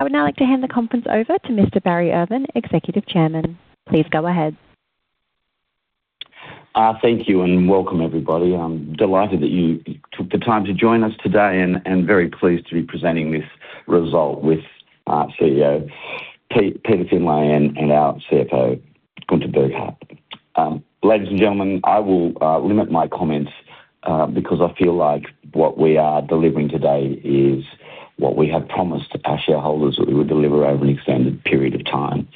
I would now like to hand the conference over to Mr. Barry Irvin, Executive Chairman. Please go ahead. Thank you, and welcome, everybody. I'm delighted that you took the time to join us today, and very pleased to be presenting this result with our CEO, Pete Findlay, and our CFO, Gunther Burghardt. Ladies and gentlemen, I will limit my comments because I feel like what we are delivering today is what we have promised to our shareholders that we would deliver over an extended period of time.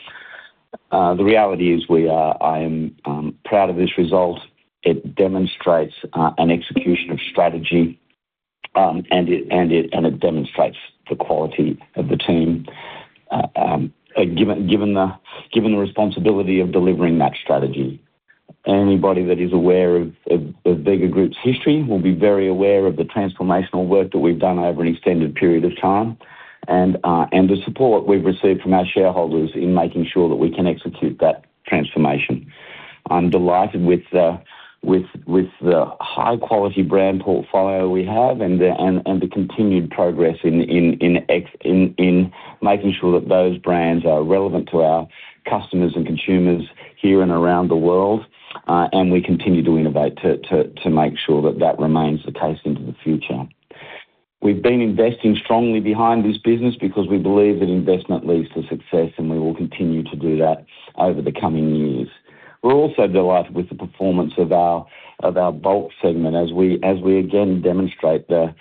The reality is, we are, I am proud of this result. It demonstrates an execution of strategy, and it demonstrates the quality of the team given the responsibility of delivering that strategy. Anybody that is aware of Bega Group's history will be very aware of the transformational work that we've done over an extended period of time, and the support we've received from our shareholders in making sure that we can execute that transformation. I'm delighted with the high-quality brand portfolio we have and the continued progress in making sure that those brands are relevant to our customers and consumers here and around the world, and we continue to innovate to make sure that that remains the case into the future. We've been investing strongly behind this business because we believe that investment leads to success, and we will continue to do that over the coming years. We're also delighted with the performance of our bulk segment as we again demonstrate the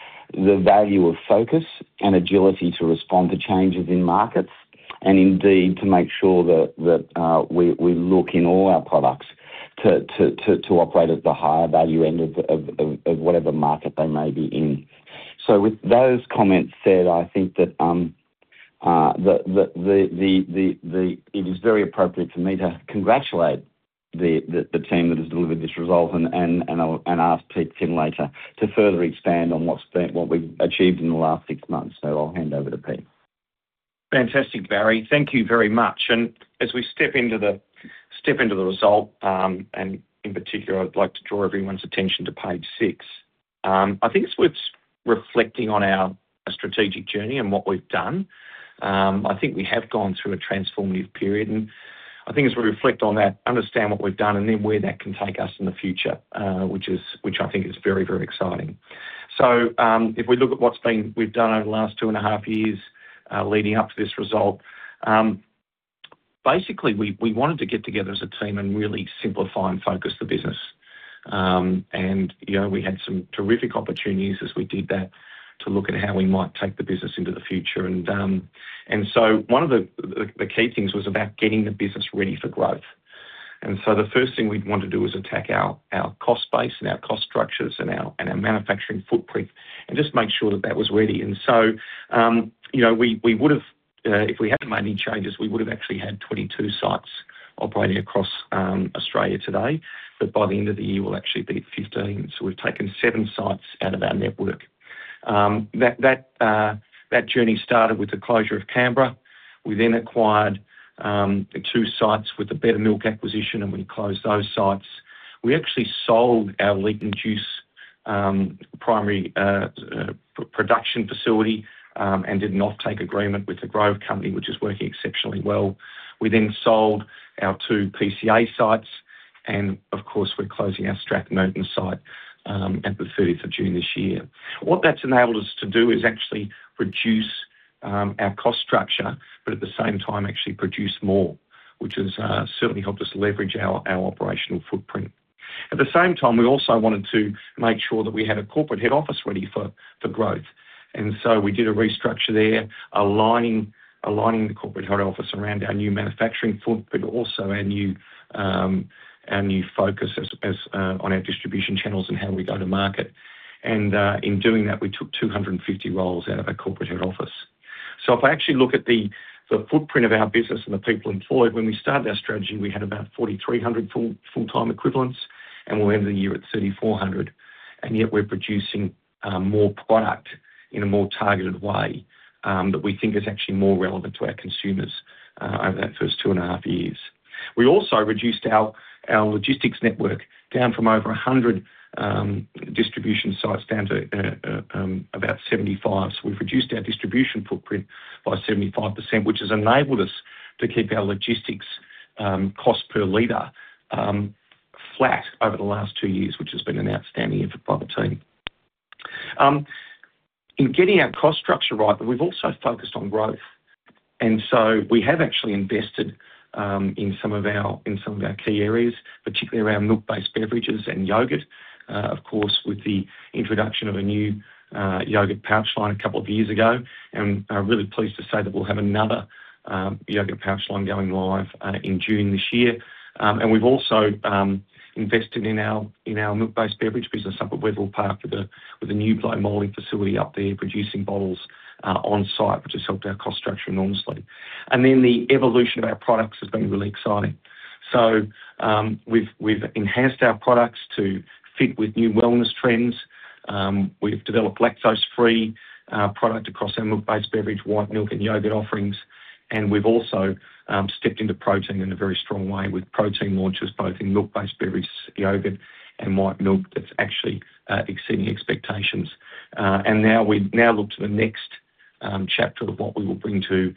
value of focus and agility to respond to changes in markets, and indeed, to make sure that we look in all our products to operate at the higher value end of whatever market they may be in. So with those comments said, I think that it is very appropriate for me to congratulate the team that has delivered this result and I'll ask Pete Findlay to further expand on what we've achieved in the last six months. So I'll hand over to Pete. Fantastic, Barry. Thank you very much. As we step into the result, and in particular, I'd like to draw everyone's attention to page six. I think it's worth reflecting on our strategic journey and what we've done. I think we have gone through a transformative period, and I think as we reflect on that, understand what we've done, and then where that can take us in the future, which I think is very, very exciting. So, if we look at what we've done over the last 2.5 years, leading up to this result, basically, we wanted to get together as a team and really simplify and focus the business. And, you know, we had some terrific opportunities as we did that to look at how we might take the business into the future. And so one of the key things was about getting the business ready for growth. And so the first thing we'd want to do is attack our cost base and our cost structures and our manufacturing footprint, and just make sure that that was ready. And so, you know, we would have, if we hadn't made any changes, we would have actually had 22 sites operating across Australia today, but by the end of the year, we'll actually be at 15. So we've taken seven sites out of our network. That journey started with the closure of Canberra. We then acquired the two sites with the Betta Milk acquisition, and we closed those sites. We actually sold our Leeton juice primary production facility and did an offtake agreement with The Grove Company, which is working exceptionally well. We then sold our two PCA sites, and of course, we're closing our Strathmerton site at the 30th of June this year. What that's enabled us to do is actually reduce our cost structure, but at the same time, actually produce more, which has certainly helped us leverage our operational footprint. At the same time, we also wanted to make sure that we had a corporate head office ready for growth. And so we did a restructure there, aligning the corporate head office around our new manufacturing footprint, but also our new focus as on our distribution channels and how we go to market. In doing that, we took 250 roles out of our corporate head office. So if I actually look at the footprint of our business and the people employed, when we started our strategy, we had about 4,300 full-time equivalents, and we'll end the year at 3,400, and yet we're producing more product in a more targeted way that we think is actually more relevant to our consumers over that first 2.5 years. We also reduced our logistics network down from over 100 distribution sites down to about 75. So we've reduced our distribution footprint by 75%, which has enabled us to keep our logistics cost per liter flat over the last two years, which has been an outstanding effort by the team. In getting our cost structure right, but we've also focused on growth, and so we have actually invested in some of our key areas, particularly around milk-based beverages and yogurt. Of course, with the introduction of a new yogurt pouch line a couple of years ago, and I'm really pleased to say that we'll have another yogurt pouch line going live in June this year. And we've also invested in our milk-based beverage business up at Wetherill Park with the new blow molding facility up there, producing bottles on-site, which has helped our cost structure enormously. Then, the evolution of our products has been really exciting. So, we've enhanced our products to fit with new wellness trends. We've developed lactose-free products across our milk-based beverages, white milk, and yogurt offerings. And we've also stepped into protein in a very strong way with protein launches, both in milk-based beverages, yogurt, and white milk. That's actually exceeding expectations. And now we look to the next chapter of what we will bring to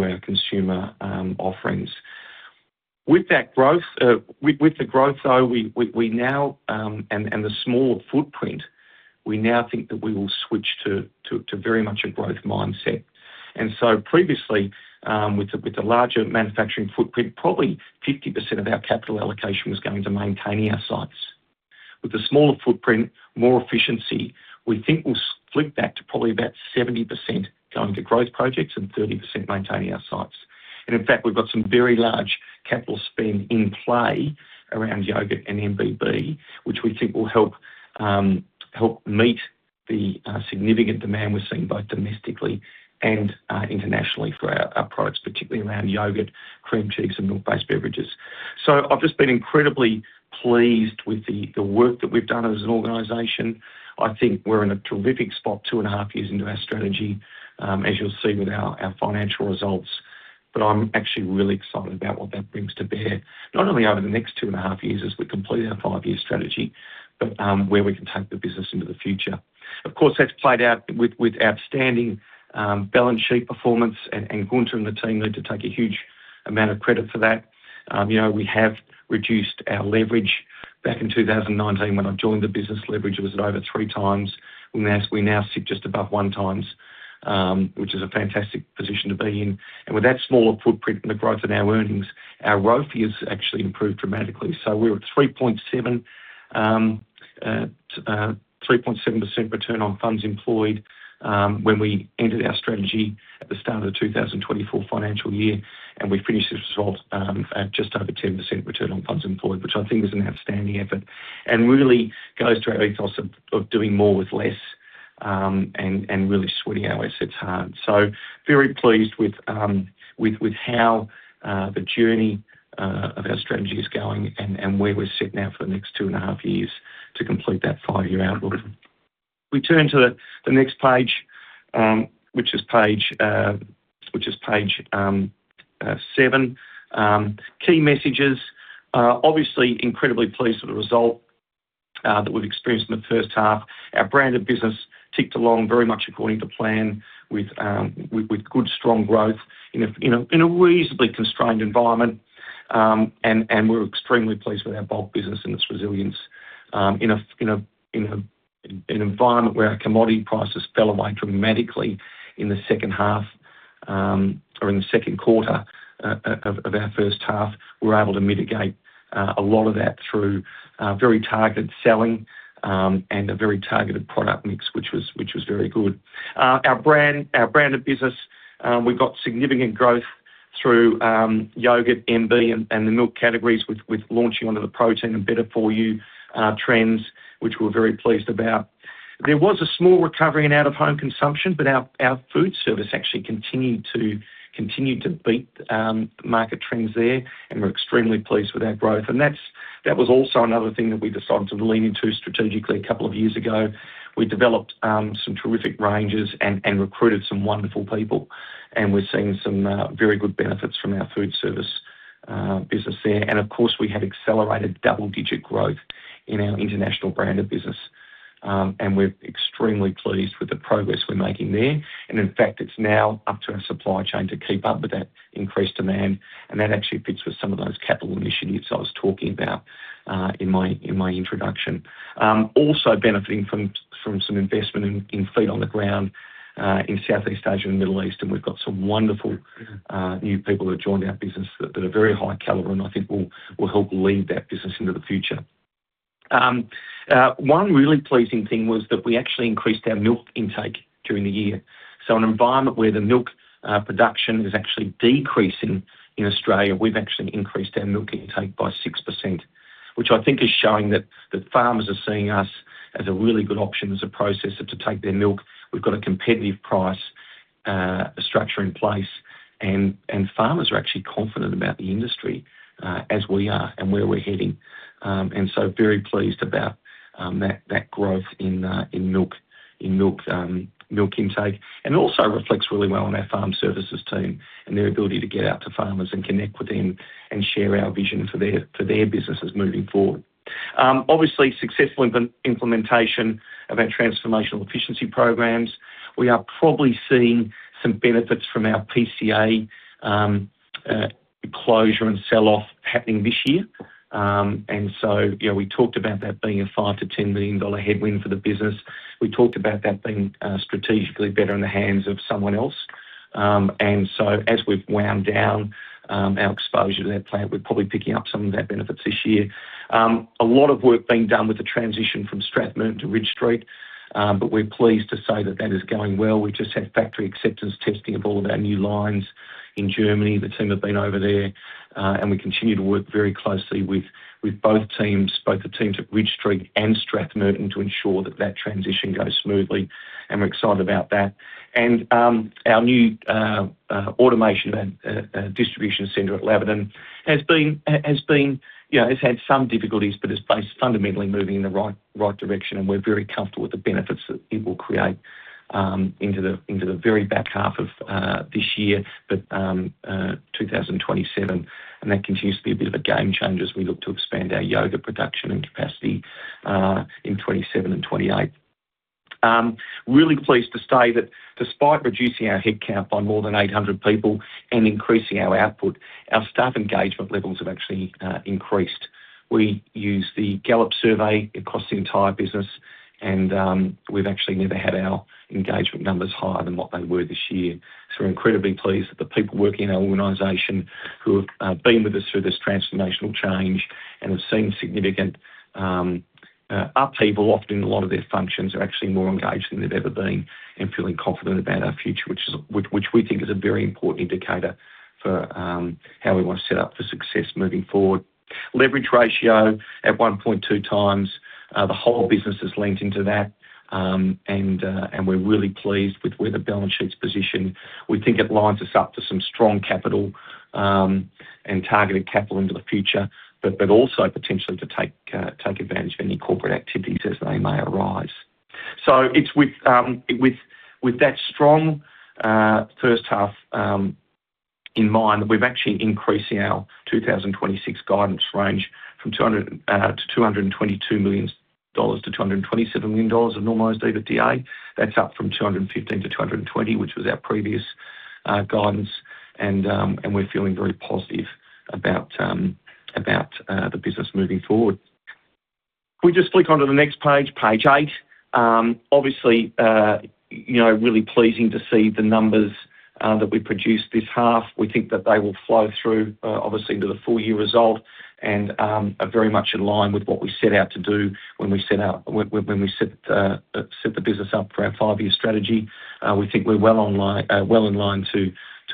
our consumer offerings. With that growth, with the growth, though, we now, and the smaller footprint, we now think that we will switch to very much a growth mindset. And so previously, with the larger manufacturing footprint, probably 50% of our capital allocation was going to maintaining our sites. With the smaller footprint, more efficiency, we think we'll flip back to probably about 70% going to growth projects and 30% maintaining our sites. In fact, we've got some very large capital spend in play around yogurt and MBB, which we think will help help meet the significant demand we're seeing, both domestically and internationally, for our our products, particularly around yogurt, cream cheese, and milk-based beverages. So I've just been incredibly pleased with the the work that we've done as an organization. I think we're in a terrific spot, 2.5 years into our strategy, as you'll see with our our financial results. But I'm actually really excited about what that brings to bear, not only over the next two and a half years as we complete our five-year strategy, but where we can take the business into the future. Of course, that's played out with, with outstanding, balance sheet performance, and, and Gunther and the team need to take a huge amount of credit for that. You know, we have reduced our leverage. Back in 2019, when I joined the business, leverage was at over 3x. We now, we now sit just above 1x, which is a fantastic position to be in. And with that smaller footprint and the growth in our earnings, our ROFE has actually improved dramatically. So we were at 3.7, 3.7% return on funds employed, when we entered our strategy at the start of the 2024 financial year, and we've finished this result at just over 10% return on funds employed, which I think is an outstanding effort, and really goes to our ethos of doing more with less, and really sweating our assets hard. So very pleased with how the journey of our strategy is going and where we're sitting now for the next 2.5 years to complete that five-year outlook. We turn to the next page, which is page seven. Key messages are obviously incredibly pleased with the result that we've experienced in the first half. Our branded business ticked along very much according to plan, with good, strong growth in a reasonably constrained environment. We're extremely pleased with our bulk business and its resilience in an environment where our commodity prices fell away dramatically in the second half, or in the second quarter, of our first half. We're able to mitigate a lot of that through very targeted selling and a very targeted product mix, which was very good. Our branded business, we've got significant growth through yogurt, MB, and the milk categories with launching onto the protein and better-for-you trends, which we're very pleased about. There was a small recovery in out-of-home consumption, but our, our food service actually continued to, continued to beat the market trends there, and we're extremely pleased with our growth. And that's, that was also another thing that we decided to lean into strategically a couple of years ago. We developed some terrific ranges and, and recruited some wonderful people, and we're seeing some very good benefits from our food service business there. And of course, we had accelerated double-digit growth in our international brand of business. And we're extremely pleased with the progress we're making there. And in fact, it's now up to our supply chain to keep up with that increased demand, and that actually fits with some of those capital initiatives I was talking about in my, in my introduction. Also benefiting from some investment in feet on the ground in Southeast Asia and Middle East, and we've got some wonderful new people who have joined our business that are very high caliber, and I think will help lead that business into the future. One really pleasing thing was that we actually increased our milk intake during the year. So an environment where the milk production is actually decreasing in Australia, we've actually increased our milk intake by 6%, which I think is showing that farmers are seeing us as a really good option as a processor to take their milk. We've got a competitive price structure in place, and farmers are actually confident about the industry as we are and where we're heading. Very pleased about that growth in milk intake. Also reflects really well on our farm services team and their ability to get out to farmers and connect with them and share our vision for their businesses moving forward. Obviously, successful implementation of our transformational efficiency programs. We are probably seeing some benefits from our PCA closure and sell-off happening this year. And so, you know, we talked about that being a 5 million dollar-AU10 million headwind for the business. We talked about that being strategically better in the hands of someone else. And so as we've wound down our exposure to that plant, we're probably picking up some of their benefits this year. A lot of work being done with the transition from Strathmerton to Ridge Street, but we're pleased to say that that is going well. We just had factory acceptance testing of all of our new lines in Germany. The team have been over there, and we continue to work very closely with both teams, both the teams at Ridge Street and Strathmerton, to ensure that that transition goes smoothly, and we're excited about that. Our new automation and distribution center at Laverton has been... You know, has had some difficulties, but it's fundamentally moving in the right direction, and we're very comfortable with the benefits that it will create. Into the very back half of this year, but 2027, and that continues to be a bit of a game changer as we look to expand our yogurt production and capacity in 2027 and 2028. Really pleased to say that despite reducing our headcount by more than 800 people and increasing our output, our staff engagement levels have actually increased. We use the Gallup survey across the entire business, and we've actually never had our engagement numbers higher than what they were this year. So we're incredibly pleased that the people working in our organization, who have been with us through this transformational change and have seen significant upheaval, often a lot of their functions, are actually more engaged than they've ever been and feeling confident about our future, which we think is a very important indicator for how we want to set up for success moving forward. Leverage ratio at 1.2x. The whole business has leaned into that, and we're really pleased with where the balance sheet's positioned. We think it lines us up to some strong capital and targeted capital into the future, but also potentially to take advantage of any corporate activities as they may arise. It's with that strong first half in mind, we've actually increasing our 2026 guidance range from AUD 200 million-AUD 222 million-AUD 227 million of normalized EBITDA. That's up from 215-220, which was our previous guidance, and we're feeling very positive about the business moving forward. Can we just flick onto the next page, page eight? Obviously, you know, really pleasing to see the numbers that we produced this half. We think that they will flow through, obviously, to the full year result and are very much in line with what we set out to do when we set out... When we set the business up for our five-year strategy. We think we're well in line to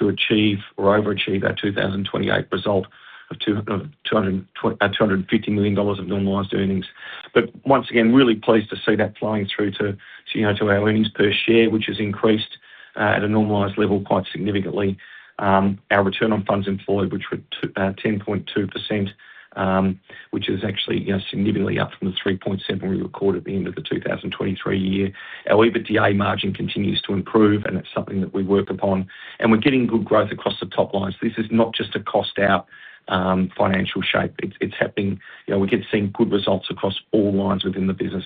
achieve or overachieve our 2028 result of 250 million dollars of normalized earnings. But once again, really pleased to see that flowing through to, you know, to our earnings per share, which has increased at a normalized level quite significantly. Our return on funds employed, which were 10.2%, which is actually, you know, significantly up from the 3.7 we recorded at the end of the 2023 year. Our EBITDA margin continues to improve, and it's something that we work upon, and we're getting good growth across the top lines. This is not just a cost out, financial shape. It's, it's happening. You know, we keep seeing good results across all lines within the business.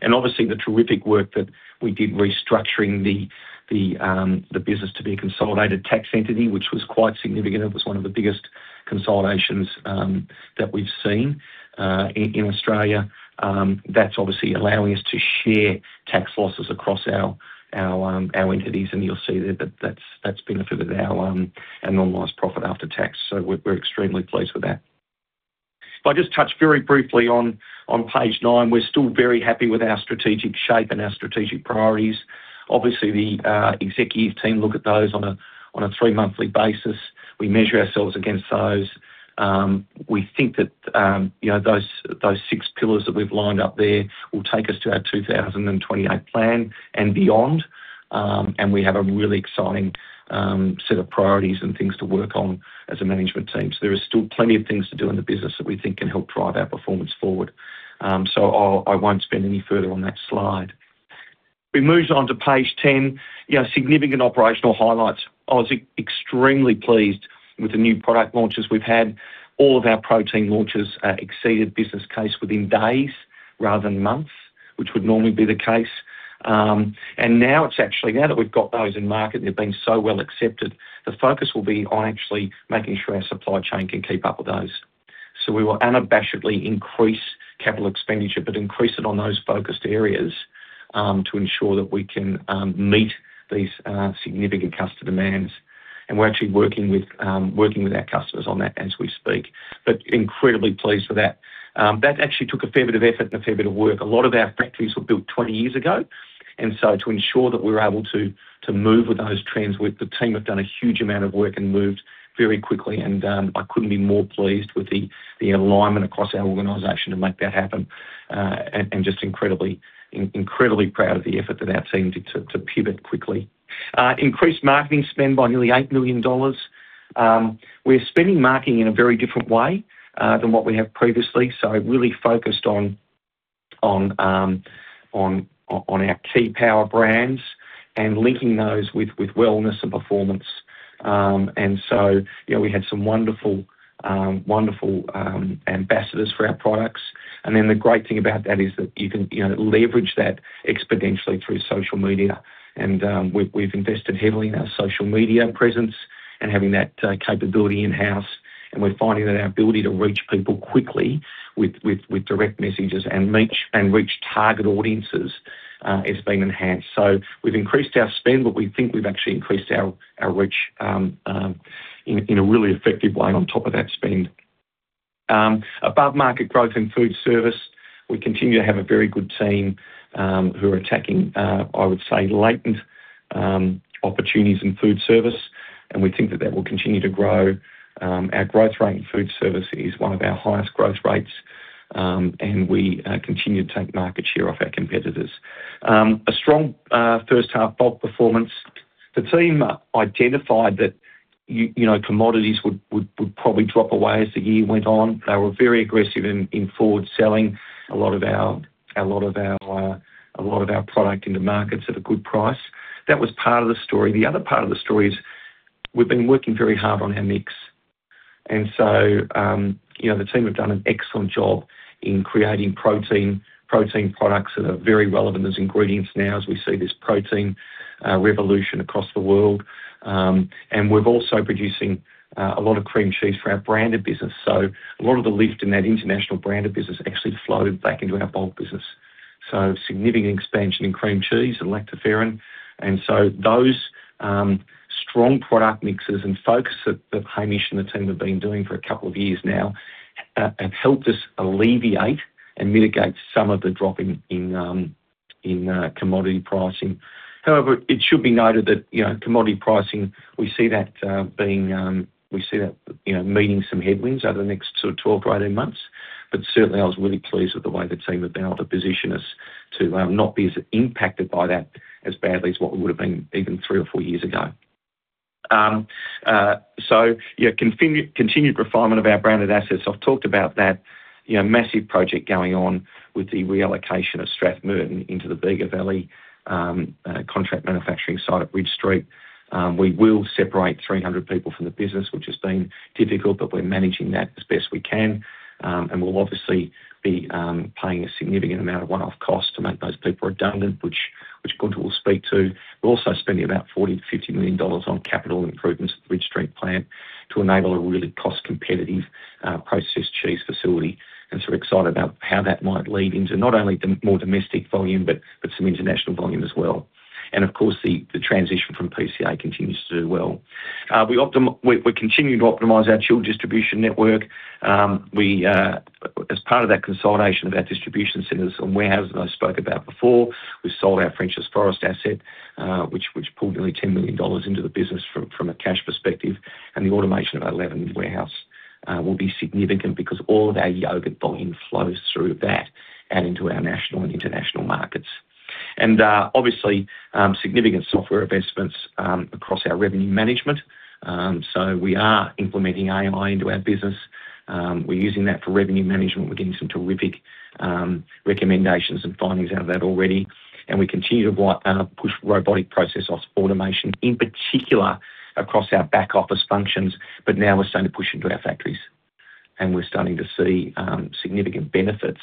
And obviously, the terrific work that we did restructuring the business to be a consolidated tax entity, which was quite significant. It was one of the biggest consolidations that we've seen in Australia. That's obviously allowing us to share tax losses across our entities, and you'll see there that that's benefited our normalized profit after tax. So we're extremely pleased with that. If I just touch very briefly on page nine, we're still very happy with our strategic shape and our strategic priorities. Obviously, the executive team look at those on a three-monthly basis. We measure ourselves against those. We think that, you know, those, those six pillars that we've lined up there will take us to our 2028 plan and beyond, and we have a really exciting set of priorities and things to work on as a management team. So there are still plenty of things to do in the business that we think can help drive our performance forward. So I'll, I won't spend any further on that slide. If we move on to page 10, you know, significant operational highlights. I was extremely pleased with the new product launches we've had. All of our protein launches exceeded business case within days rather than months, which would normally be the case. And now it's actually now that we've got those in market and they've been so well accepted, the focus will be on actually making sure our supply chain can keep up with those. So we will unabashedly increase capital expenditure, but increase it on those focused areas to ensure that we can meet these significant customer demands. And we're actually working with our customers on that as we speak, but incredibly pleased with that. That actually took a fair bit of effort and a fair bit of work. A lot of our factories were built 20 years ago, and so to ensure that we were able to to move with those trends, the team have done a huge amount of work and moved very quickly, and I couldn't be more pleased with the alignment across our organization to make that happen, and just incredibly proud of the effort that our team did to pivot quickly. Increased marketing spend by nearly 8 million dollars. We're spending marketing in a very different way than what we have previously, so really focused on our key power brands and linking those with wellness and performance. And so, you know, we had some wonderful ambassadors for our products. And then the great thing about that is that you can, you know, leverage that exponentially through social media, and we've invested heavily in our social media presence and having that capability in-house, and we're finding that our ability to reach people quickly with direct messages and reach target audiences has been enhanced. So we've increased our spend, but we think we've actually increased our reach in a really effective way on top of that spend. Above-market growth in food service, we continue to have a very good team who are attacking, I would say, latent opportunities in food service, and we think that that will continue to grow. Our growth rate in food service is one of our highest growth rates, and we continue to take market share off our competitors. A strong first half bulk performance. The team identified that you know, commodities would probably drop away as the year went on. They were very aggressive in forward selling a lot of our product in the markets at a good price. That was part of the story. The other part of the story is we've been working very hard on our mix. And so, you know, the team have done an excellent job in creating protein products that are very relevant as ingredients now, as we see this protein revolution across the world. And we've also producing a lot of cream cheese for our branded business. So a lot of the lift in that international branded business actually flowed back into our bulk business. So significant expansion in cream cheese and lactoferrin. And so those strong product mixes and focus that that Hamish and the team have been doing for a couple of years now have helped us alleviate and mitigate some of the drop in in commodity pricing. However, it should be noted that, you know, commodity pricing, we see that being we see that, you know, meeting some headwinds over the next sort of 12-18 months. But certainly, I was really pleased with the way the team have been able to position us to not be as impacted by that as badly as what we would have been even three or four years ago. Continued refinement of our branded assets. I've talked about that, you know, massive project going on with the reallocation of Strathmerton into the Bega Valley, contract manufacturing site at Ridge Street. We will separate 300 people from the business, which has been difficult, but we're managing that as best we can. And we'll obviously be paying a significant amount of one-off costs to make those people redundant, which Gunther will speak to. We're also spending about 40 million-50 million dollars on capital improvements at the Ridge Street plant to enable a really cost-competitive processed cheese facility. So we're excited about how that might lead into not only the more domestic volume, but some international volume as well. And of course, the transition from PCA continues to do well. We're continuing to optimize our chilled distribution network. As part of that consolidation of our distribution centers and warehouses that I spoke about before, we sold our Frenchs Forest asset, which pulled nearly 10 million dollars into the business from a cash perspective. And the automation of our Leeton warehouse will be significant because all of our yogurt volume flows through that and into our national and international markets. And obviously, significant software investments across our revenue management. So we are implementing AI into our business. We're using that for revenue management. We're getting some terrific recommendations and findings out of that already. We continue to push robotic process automation, in particular, across our back office functions, but now we're starting to push into our factories. We're starting to see significant benefits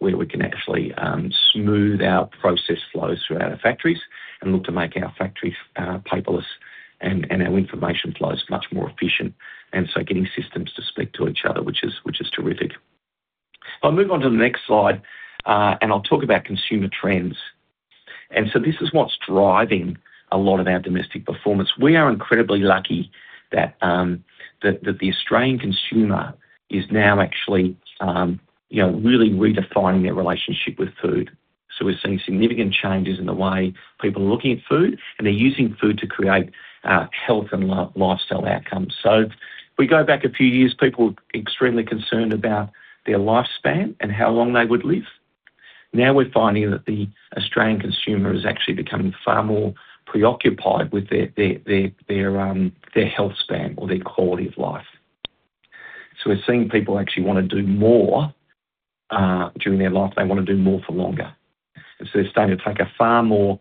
where we can actually smooth out process flows throughout our factories and look to make our factories paperless and our information flows much more efficient. So getting systems to speak to each other, which is terrific. If I move on to the next slide and I'll talk about consumer trends. This is what's driving a lot of our domestic performance. We are incredibly lucky that the Australian consumer is now actually, you know, really redefining their relationship with food. So we're seeing significant changes in the way people are looking at food, and they're using food to create health and lifestyle outcomes. So if we go back a few years, people were extremely concerned about their lifespan and how long they would live. Now, we're finding that the Australian consumer is actually becoming far more preoccupied with their health span or their quality of life. So we're seeing people actually wanna do more during their life. They wanna do more for longer. And so they're starting to take a far more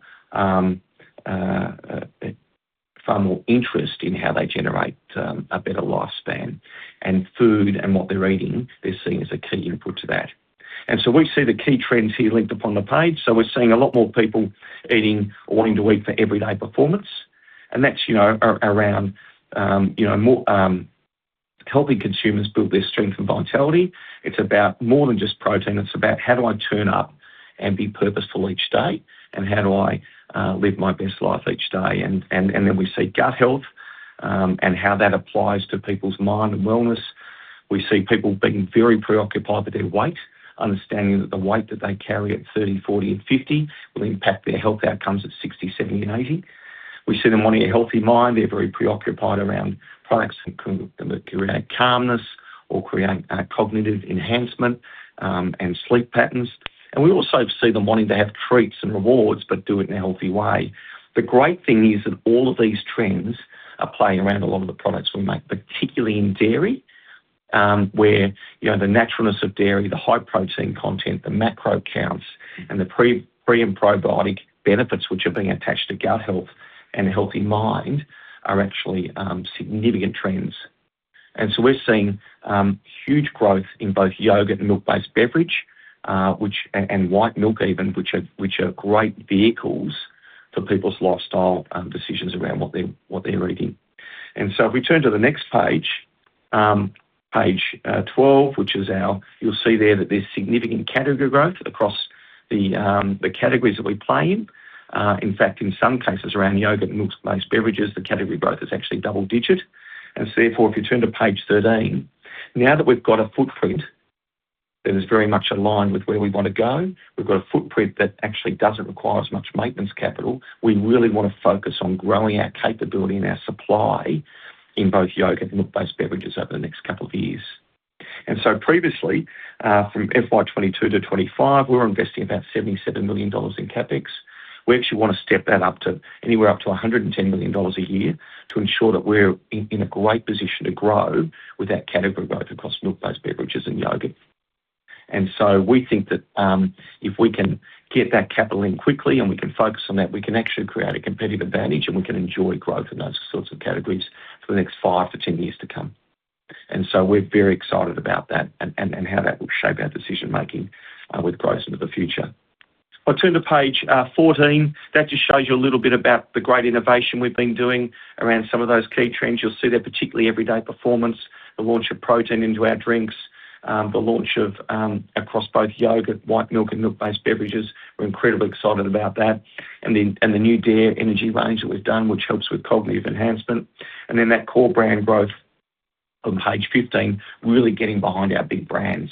interest in how they generate a better lifespan, and food and what they're eating, they're seeing as a key input to that. And so we see the key trends here linked upon the page. So we're seeing a lot more people eating or wanting to eat for everyday performance, and that's, you know, around, you know, more... Helping consumers build their strength and vitality. It's about more than just protein, it's about how do I turn up and be purposeful each day, and how do I live my best life each day? And then we see gut health, and how that applies to people's mind and wellness. We see people being very preoccupied with their weight, understanding that the weight that they carry at 30, 40, and 50 will impact their health outcomes at 60, 70, and 80. We see them wanting a healthy mind. They're very preoccupied around products that can create calmness or create cognitive enhancement, and sleep patterns. We also see them wanting to have treats and rewards, but do it in a healthy way. The great thing is that all of these trends are playing around a lot of the products we make, particularly in dairy, where, you know, the naturalness of dairy, the high protein content, the macro counts, and the pre and probiotic benefits, which are being attached to gut health and a healthy mind, are actually significant trends. We're seeing huge growth in both yogurt and milk-based beverage and white milk even, which are great vehicles for people's lifestyle decisions around what they, what they're eating. If we turn to the next page, page 12, which is our you'll see there that there's significant category growth across the categories that we play in. In fact, in some cases, around yogurt and milk-based beverages, the category growth is actually double-digit. Therefore, if you turn to page 13, now that we've got a footprint that is very much aligned with where we want to go, we've got a footprint that actually doesn't require as much maintenance capital, we really wanna focus on growing our capability and our supply in both yogurt and milk-based beverages over the next couple of years. And so previously, from FY 2022 to 2025, we were investing about 77 million dollars in CapEx. We actually wanna step that up to anywhere up to 110 million dollars a year to ensure that we're in a great position to grow with that category growth across milk-based beverages and yogurt. And so we think that, if we can get that capital in quickly, and we can focus on that, we can actually create a competitive advantage, and we can enjoy growth in those sorts of categories for the next five to 10 years to come. We're very excited about that and how that will shape our decision making with growth into the future. If I turn to page 14, that just shows you a little bit about the great innovation we've been doing around some of those key trends. You'll see that particularly everyday performance, the launch of protein into our drinks, the launch of across both yogurt, white milk, and milk-based beverages. We're incredibly excited about that. And the new Dare Energy range that we've done, which helps with cognitive enhancement. Then that core brand growth on page 15, really getting behind our big brands.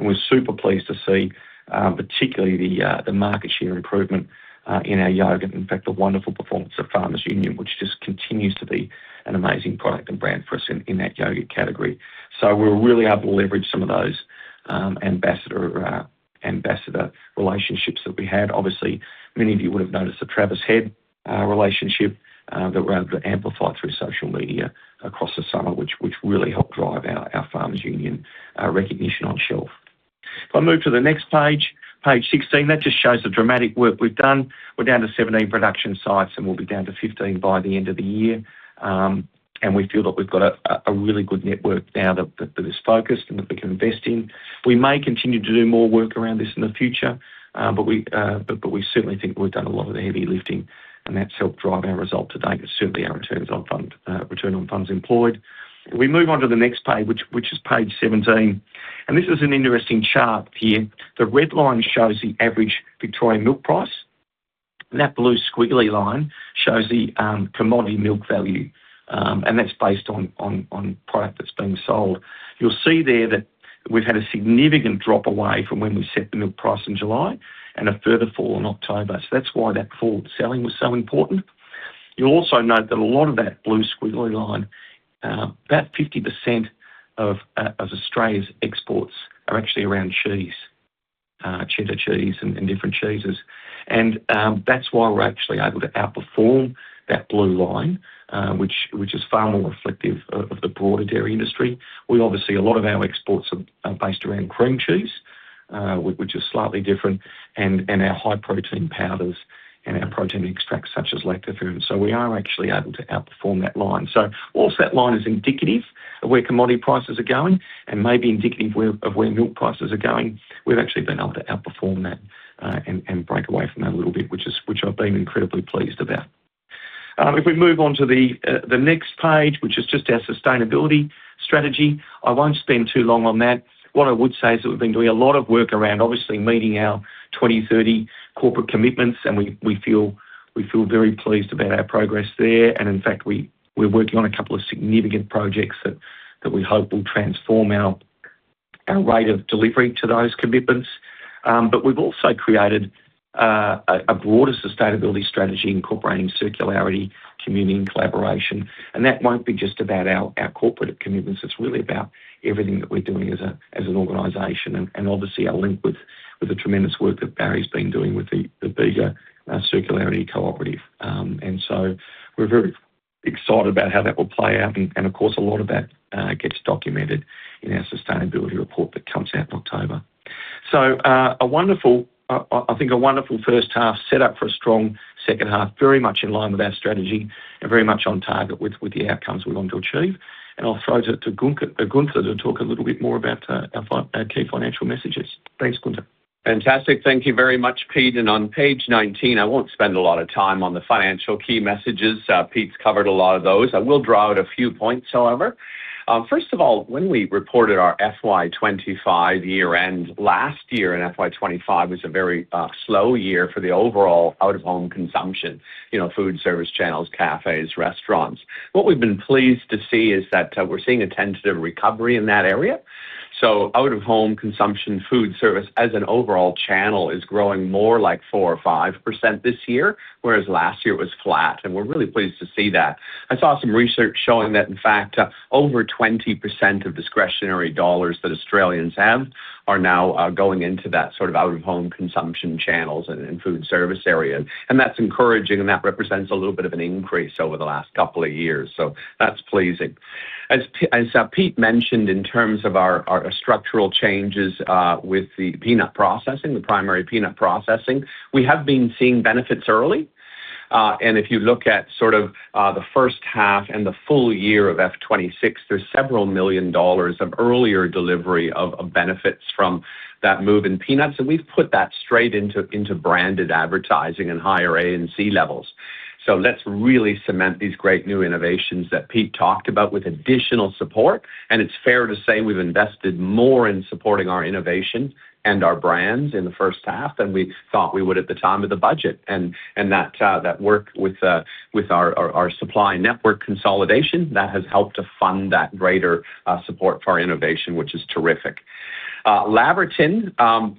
We're super pleased to see, particularly the market share improvement in our yogurt. In fact, the wonderful performance of Farmers Union, which just continues to be an amazing product and brand for us in that yogurt category. We're really able to leverage some of those ambassador relationships that we had. Obviously, many of you would have noticed the Travis Head relationship that we're able to amplify through social media across the summer, which really helped drive our Farmers Union recognition on shelf. If I move to the next page, page 16, that just shows the dramatic work we've done. We're down to 17 production sites, and we'll be down to 15 by the end of the year. And we feel that we've got a really good network now that is focused, and that we can invest in. We may continue to do more work around this in the future, but we certainly think we've done a lot of the heavy lifting, and that's helped drive our result today, and certainly our returns on fund, return on funds employed. If we move on to the next page, which is page 17, and this is an interesting chart here. The red line shows the average Victoria milk price, and that blue squiggly line shows the commodity milk value, and that's based on product that's been sold. You'll see there that we've had a significant drop away from when we set the milk price in July, and a further fall in October. So that's why that forward selling was so important. You'll also note that a lot of that blue squiggly line, about 50% of, of Australia's exports are actually around cheese, cheddar cheese and, and different cheeses. And, that's why we're actually able to outperform that blue line, which, which is far more reflective of, of the broader dairy industry. We obviously, a lot of our exports are, are based around cream cheese, which is slightly different, and, and our high-protein powders and our protein extracts, such as lactoferrin. So we are actually able to outperform that line. So while that line is indicative of where commodity prices are going and may be indicative where, of where milk prices are going, we've actually been able to outperform that, and break away from that a little bit, which I've been incredibly pleased about. If we move on to the next page, which is just our sustainability strategy, I won't spend too long on that. What I would say is that we've been doing a lot of work around, obviously, meeting our 2030 corporate commitments, and we feel very pleased about our progress there. And in fact, we're working on a couple of significant projects that we hope will transform our rate of delivery to those commitments. But we've also created a broader sustainability strategy incorporating circularity, community, and collaboration. That won't be just about our corporate commitments. It's really about everything that we're doing as an organization. And obviously, our link with the tremendous work that Barry's been doing with the Bega Circular Valley. So we're very excited about how that will play out. And of course, a lot of that gets documented in our sustainability report that comes out in October. So, a wonderful, I think a wonderful first half, set up for a strong second half. Very much in line with our strategy and very much on target with the outcomes we want to achieve. And I'll throw to Gunther to talk a little bit more about our key financial messages. Thanks, Gunther. Fantastic. Thank you very much, Pete. And on page 19, I won't spend a lot of time on the financial key messages, Pete's covered a lot of those. I will draw out a few points, however. First of all, when we reported our FY 2025 year-end last year, and FY 2025 was a very slow year for the overall out-of-home consumption, you know, food service channels, cafes, restaurants. What we've been pleased to see is that we're seeing a tentative recovery in that area. So out-of-home consumption food service, as an overall channel, is growing more like 4% or 5% this year, whereas last year it was flat, and we're really pleased to see that. I saw some research showing that, in fact, over 20% of discretionary dollars that Australians have are now going into that sort of out-of-home consumption channels and food service area. That's encouraging, and that represents a little bit of an increase over the last couple of years, so that's pleasing. As Pete mentioned, in terms of our structural changes with the peanut processing, the primary peanut processing, we have been seeing benefits early. And if you look at the first half and the full year of FY 2026, there's several million dollars of earlier delivery of benefits from that move in peanuts. And we've put that straight into branded advertising and higher A and C levels. So let's really cement these great new innovations that Pete talked about with additional support, and it's fair to say we've invested more in supporting our innovation and our brands in the first half than we thought we would at the time of the budget. And that work with our supply network consolidation has helped to fund that greater support for our innovation, which is terrific. Laverton,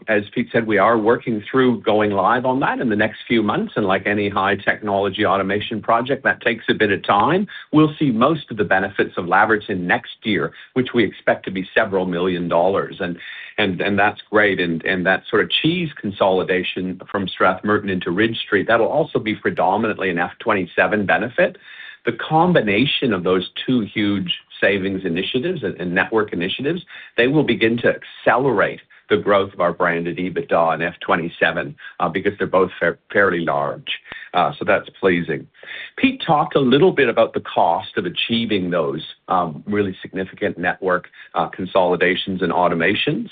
as Pete said, we are working through going live on that in the next few months, and like any high technology automation project, that takes a bit of time. We'll see most of the benefits of Laverton next year, which we expect to be several million AUD. And that's great and that sort of cheese consolidation from Strathmerton into Ridge Street, that'll also be predominantly an FY 2027 benefit. The combination of those two huge savings initiatives and network initiatives, they will begin to accelerate the growth of our branded EBITDA and FY 2027, because they're both fairly large. So that's pleasing. Pete talked a little bit about the cost of achieving those, really significant network, consolidations and automations,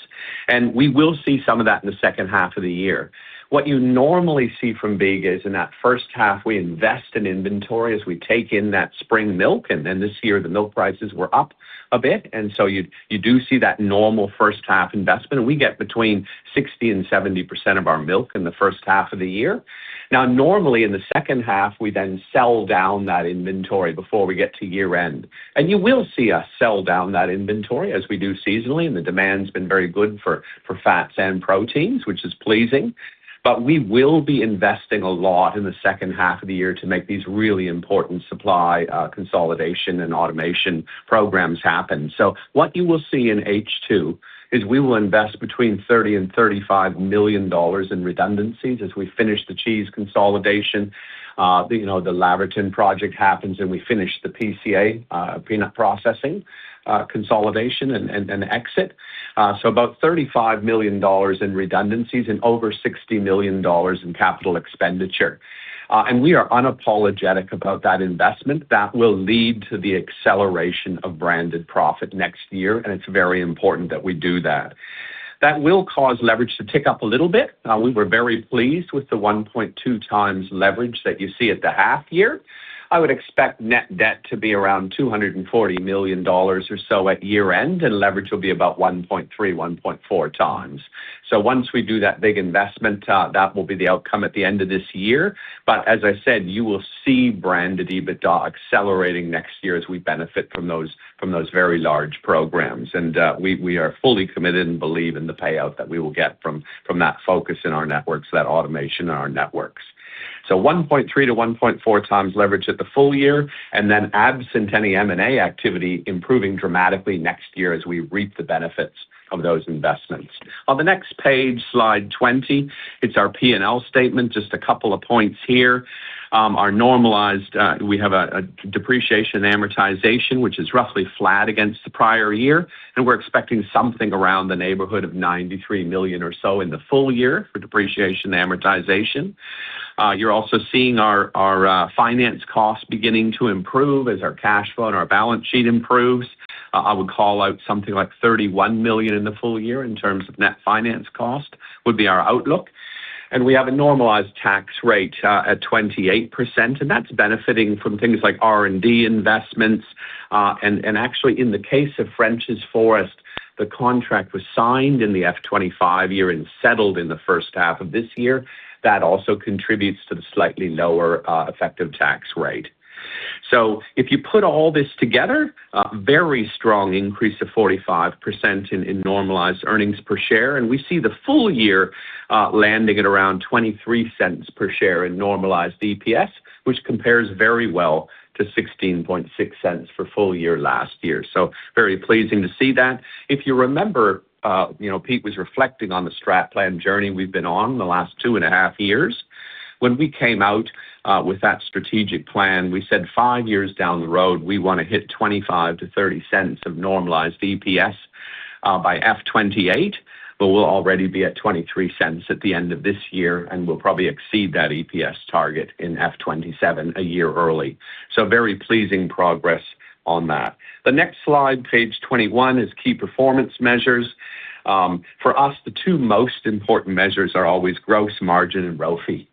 and we will see some of that in the second half of the year. What you normally see from Big M is in that first half, we invest in inventory as we take in that spring milk, and then this year the milk prices were up a bit, and so you do see that normal first half investment. And we get between 60% and 70% of our milk in the first half of the year. Now, normally in the second half, we then sell down that inventory before we get to year-end. You will see us sell down that inventory as we do seasonally, and the demand's been very good for fats and proteins, which is pleasing. But we will be investing a lot in the second half of the year to make these really important supply consolidation and automation programs happen. So what you will see in H2 is we will invest between 30 million and 35 million dollars in redundancies as we finish the cheese consolidation, you know, the Laverton project happens, and we finish the PCA peanut processing consolidation and exit. So about 35 million dollars in redundancies and over 60 million dollars in capital expenditure. And we are unapologetic about that investment. That will lead to the acceleration of branded profit next year, and it's very important that we do that. That will cause leverage to tick up a little bit. We were very pleased with the 1.2x leverage that you see at the half year. I would expect net debt to be around 240 million dollars or so at year-end, and leverage will be about 1.3x-1.4x. So once we do that big investment, that will be the outcome at the end of this year. But as I said, you will see branded EBITDA accelerating next year as we benefit from those, from those very large programs. And, we, we are fully committed and believe in the payout that we will get from, from that focus in our networks, that automation in our networks. So 1.3x-1.4x leverage at the full year, and then absent any M&A activity, improving dramatically next year as we reap the benefits of those investments. On the next page, slide 20, it's our P&L statement. Just a couple of points here. Our normalized, we have a depreciation and amortization, which is roughly flat against the prior year, and we're expecting something around the neighborhood of 93 million or so in the full year for depreciation and amortization. You're also seeing our finance costs beginning to improve as our cash flow and our balance sheet improves. I would call out something like 31 million in the full year in terms of net finance cost, would be our outlook. We have a normalized tax rate at 28%, and that's benefiting from things like R&D investments. And actually, in the case of Frenchs Forest, the contract was signed in the FY 2025 year and settled in the first half of this year. That also contributes to the slightly lower effective tax rate. So if you put all this together, a very strong increase of 45% in normalized earnings per share, and we see the full year landing at around 0.23 per share in normalized EPS, which compares very well to 0.166 for full year last year. So very pleasing to see that. If you remember, you know, Pete was reflecting on the strat plan journey we've been on the last 2.5 years. When we came out with that strategic plan, we said five years down the road, we wanna hit 0.25-0.30 of normalized EPS by FY 2028, but we'll already be at 0.23 at the end of this year, and we'll probably exceed that EPS target in FY 2027, a year early. So very pleasing progress on that. The next slide, page 21, is key performance measures. For us, the two most important measures are always gross margin and ROFE, right?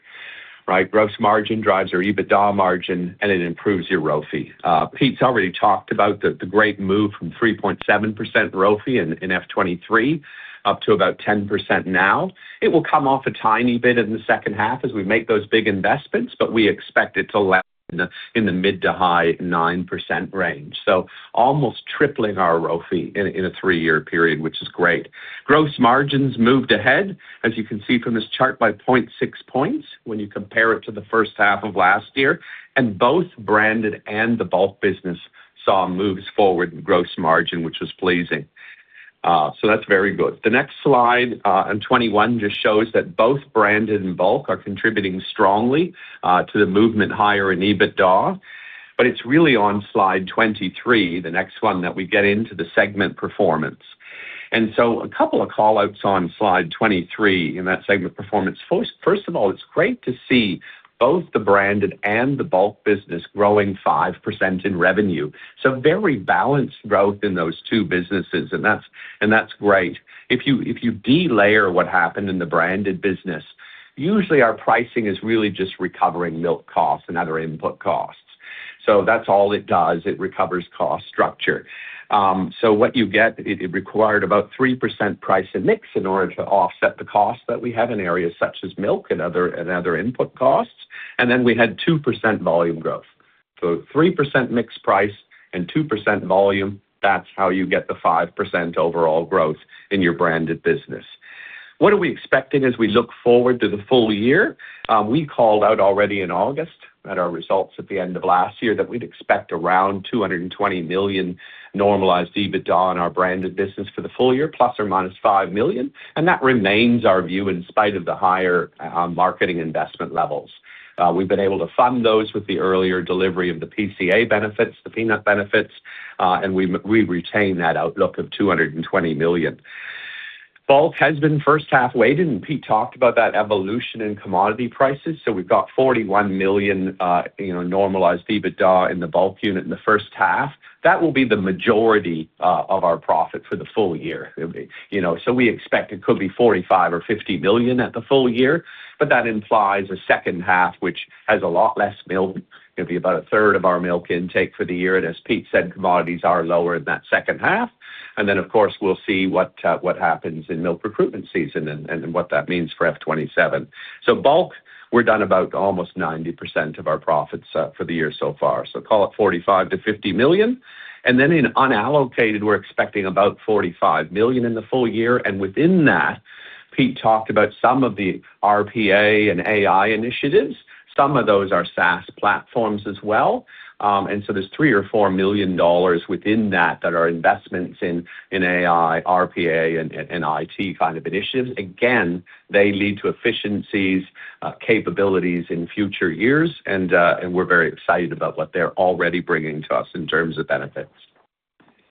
Gross margin drives our EBITDA margin, and it improves your ROFE. Pete's already talked about the great move from 3.7% ROFE in FY 2023, up to about 10% now. It will come off a tiny bit in the second half as we make those big investments, but we expect it to land in the mid- to high-9% range. So almost tripling our ROFE in a three-year period, which is great. Gross margins moved ahead, as you can see from this chart, by 0.6 points when you compare it to the first half of last year, and both branded and the bulk business saw moves forward in gross margin, which was pleasing. So that's very good. The next slide, on 21, just shows that both branded and bulk are contributing strongly to the movement higher in EBITDA, but it's really on slide 23, the next one, that we get into the segment performance. And so a couple of call-outs on slide 23 in that segment performance. First of all, it's great to see both the branded and the bulk business growing 5% in revenue. So very balanced growth in those two businesses, and that's great. If you delayer what happened in the branded business, usually our pricing is really just recovering milk costs and other input costs. So that's all it does, it recovers cost structure. So what you get, it required about 3% price in mix in order to offset the cost that we have in areas such as milk and other input costs. And then we had 2% volume growth. So 3% price mix and 2% volume, that's how you get the 5% overall growth in your branded business. What are we expecting as we look forward to the full year? We called out already in August at our results at the end of last year, that we'd expect around 220 million normalized EBITDA on our branded business for the full year, ±5 million, and that remains our view in spite of the higher, marketing investment levels. We've been able to fund those with the earlier delivery of the PCA benefits, the peanut benefits, and we retain that outlook of 220 million. Bulk has been first half weighted, and Pete talked about that evolution in commodity prices. So we've got 41 million, you know, normalized EBITDA in the bulk unit in the first half. That will be the majority, of our profit for the full year. You know, so we expect it could be 45 million or 50 million at the full year, but that implies a second half, which has a lot less milk. It'll be about a third of our milk intake for the year, and as Pete said, commodities are lower in that second half. And then, of course, we'll see what what happens in milk recruitment season and what that means for FY 2027. So bulk, we're down about almost 90% of our profits for the year so far. So call it 45 million-50 million. And then in unallocated, we're expecting about 45 million in the full year, and within that, Pete talked about some of the RPA and AI initiatives. Some of those are SaaS platforms as well, and so there's 3 million-4 million dollars within that that are investments in AI, RPA, and IT kind of initiatives. Again, they lead to efficiencies, capabilities in future years, and we're very excited about what they're already bringing to us in terms of benefits.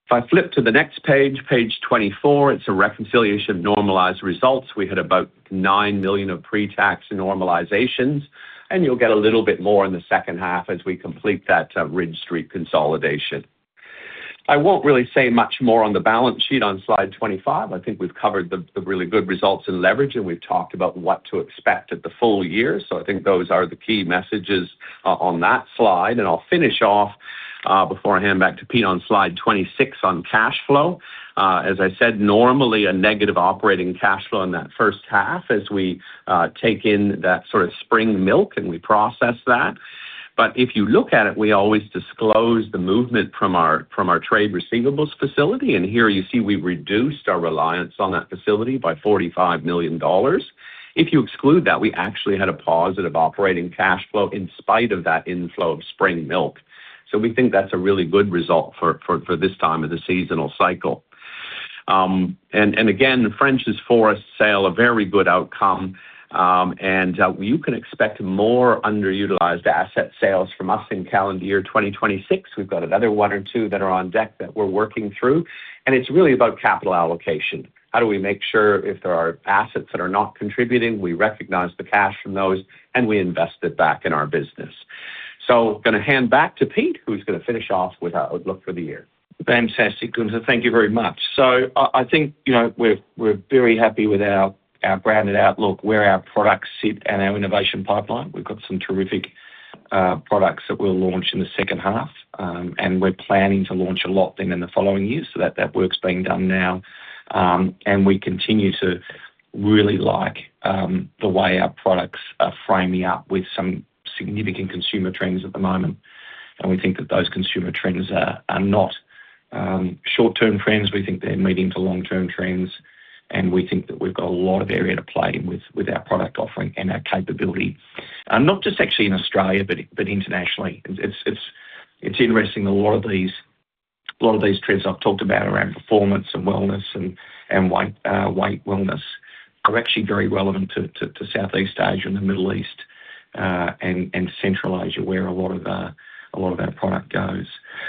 If I flip to the next page, page 24, it's a reconciliation of normalized results. We had about 9 million of pre-tax normalizations, and you'll get a little bit more in the second half as we complete that Ridge Street consolidation. I won't really say much more on the balance sheet on slide 25. I think we've covered the really good results in leverage, and we've talked about what to expect at the full year. So I think those are the key messages on that slide, and I'll finish off before I hand back to Pete on slide 26 on cash flow. As I said, normally a negative operating cash flow in that first half as we take in that sort of spring milk and we process that. But if you look at it, we always disclose the movement from our trade receivables facility, and here you see we've reduced our reliance on that facility by 45 million dollars. If you exclude that, we actually had a positive operating cash flow in spite of that inflow of spring milk. So we think that's a really good result for this time of the seasonal cycle. And again, the Frenchs Forest sale, a very good outcome, and you can expect more underutilized asset sales from us in calendar year 2026. We've got another one or two that are on deck that we're working through, and it's really about capital allocation. How do we make sure if there are assets that are not contributing, we recognize the cash from those, and we invest it back in our business? So I'm gonna hand back to Pete, who's gonna finish off with our outlook for the year. Fantastic, Gunther. Thank you very much. So I, I think, you know, we're, we're very happy with our, our branded outlook, where our products sit and our innovation pipeline. We've got some terrific products that we'll launch in the second half, and we're planning to launch a lot then in the following years. So that, that work's being done now. And we continue to really like the way our products are framing up with some significant consumer trends at the moment, and we think that those consumer trends are, are not short-term trends. We think they're medium to long-term trends, and we think that we've got a lot of area to play with, with our product offering and our capability. And not just actually in Australia, but, but internationally. It's interesting, a lot of these trends I've talked about around performance and wellness and weight wellness are actually very relevant to Southeast Asia and the Middle East and Central Asia, where a lot of our product goes.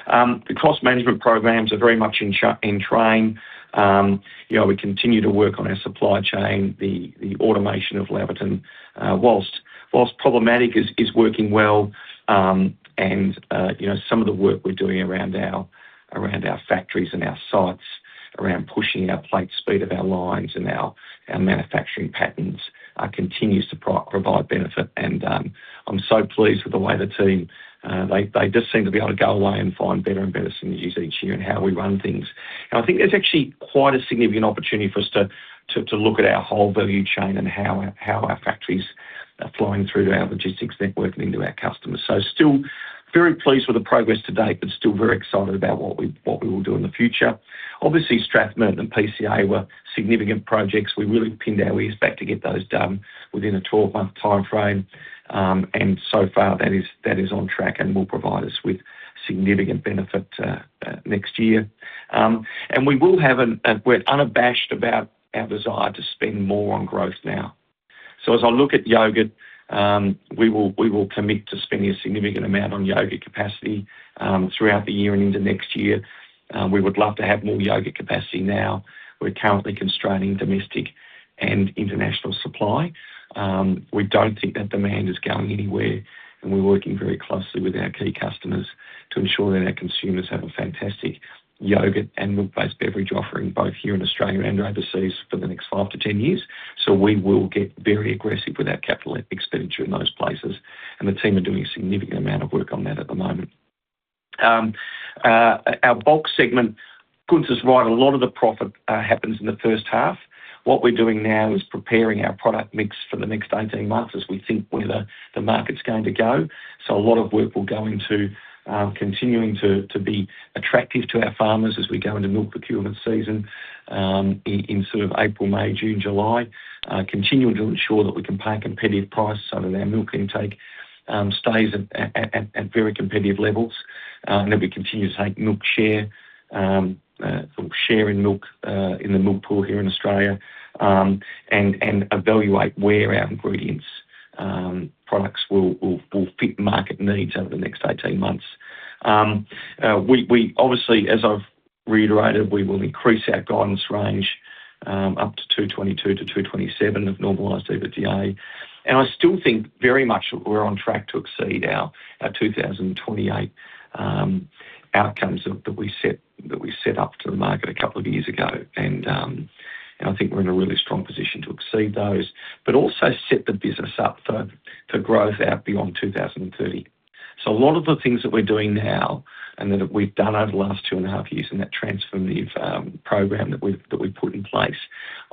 The cost management programs are very much in train. You know, we continue to work on our supply chain, the automation of Laverton, while problematic, is working well. And you know, some of the work we're doing around our factories and our sites, around pushing our plate speed of our lines and our manufacturing patterns, continues to provide benefit. I'm so pleased with the way the team, they, they just seem to be able to go away and find better and better synergies each year and how we run things. I think there's actually quite a significant opportunity for us to look at our whole value chain and how our factories are flowing through our logistics network and into our customers. Still very pleased with the progress to date, but still very excited about what we will do in the future. Obviously, Strathmerton and PCA were significant projects. We really pinned our ears back to get those done within a 12-month timeframe, and so far, that is on track and will provide us with significant benefit next year. And we will have an... We're unabashed about our desire to spend more on growth now. So as I look at yogurt, we will commit to spending a significant amount on yogurt capacity, throughout the year and into next year. We would love to have more yogurt capacity now. We're currently constraining domestic and international supply. We don't think that demand is going anywhere, and we're working very closely with our key customers to ensure that our consumers have a fantastic yogurt and milk-based beverage offering, both here in Australia and overseas, for the next five to 10 years. So we will get very aggressive with our capital expenditure in those places, and the team are doing a significant amount of work on that at the moment. Our bulk segment, Gunther's right, a lot of the profit happens in the first half. What we're doing now is preparing our product mix for the next 18 months as we think where the market's going to go. So a lot of work will go into continuing to be attractive to our farmers as we go into milk procurement season in sort of April, May, June, July. Continuing to ensure that we can pay a competitive price so that our milk intake stays at very competitive levels, and that we continue to take milk share, or share in milk, in the milk pool here in Australia, and evaluate where our ingredients products will fit market needs over the next 18 months. We obviously, as I've reiterated, will increase our guidance range up to 222-227 of normalized EBITDA. I still think very much that we're on track to exceed our 2028 outcomes that we set up to the market a couple of years ago. I think we're in a really strong position to exceed those, but also set the business up for growth out beyond 2030. So a lot of the things that we're doing now, and that we've done over the last 2.5 years in that transformative program that we've put in place,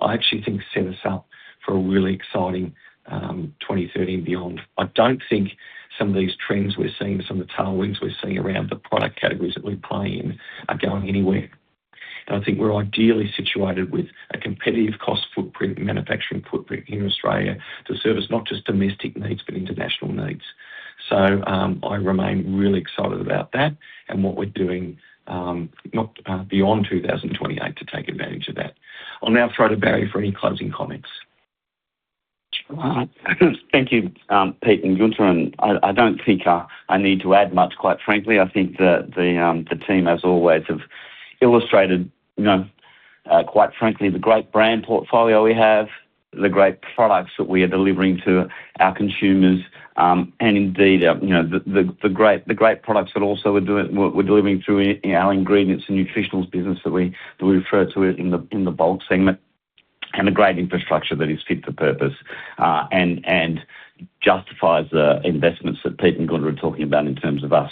I actually think set us up for a really exciting 2030 and beyond. I don't think some of these trends we're seeing, some of the tailwinds we're seeing around the product categories that we play in are going anywhere. I think we're ideally situated with a competitive cost footprint and manufacturing footprint here in Australia to service not just domestic needs, but international needs. So, I remain really excited about that and what we're doing, not beyond 2028 to take advantage of that. I'll now throw to Barry for any closing comments. All right. Thank you, Pete and Gunther, and I don't think I need to add much, quite frankly. I think the team, as always, have illustrated, you know, quite frankly, the great brand portfolio we have, the great products that we are delivering to our consumers, and indeed, you know, the great products that also we're delivering through our ingredients and nutritionals business that we refer to it in the bulk segment, and a great infrastructure that is fit for purpose, and justifies the investments that Pete and Gunther are talking about in terms of us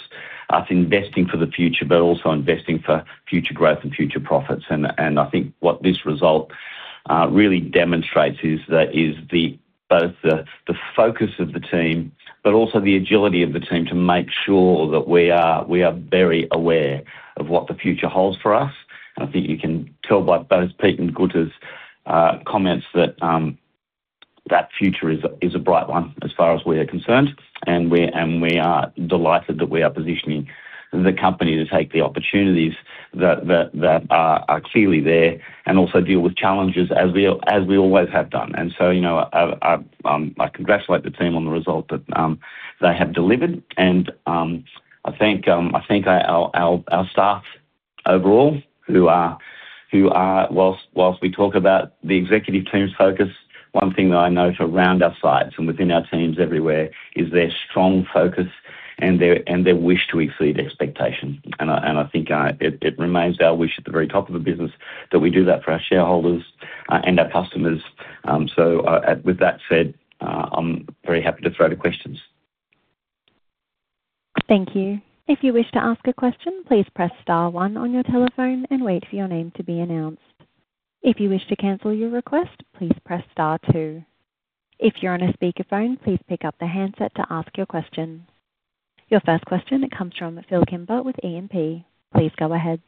investing for the future, but also investing for future growth and future profits. And I think what this result really demonstrates is that the focus of the team, but also the agility of the team to make sure that we are very aware of what the future holds for us. And I think you can tell by both Pete and Gunther's comments that that future is a bright one as far as we are concerned. And we're delighted that we are positioning the company to take the opportunities that are clearly there, and also deal with challenges as we always have done. And so, you know, I congratulate the team on the result that they have delivered. And I thank our staff overall, who are... Whilst we talk about the executive team's focus, one thing that I know, too, around our sites and within our teams everywhere, is their strong focus and their wish to exceed expectation. I think it remains our wish at the very top of the business that we do that for our shareholders and our customers. So, with that said, I'm very happy to throw to questions. Thank you. If you wish to ask a question, please press star one on your telephone and wait for your name to be announced. If you wish to cancel your request, please press star two. If you're on a speakerphone, please pick up the handset to ask your question. Your first question comes from Phil Kimber with E&P. Please go ahead.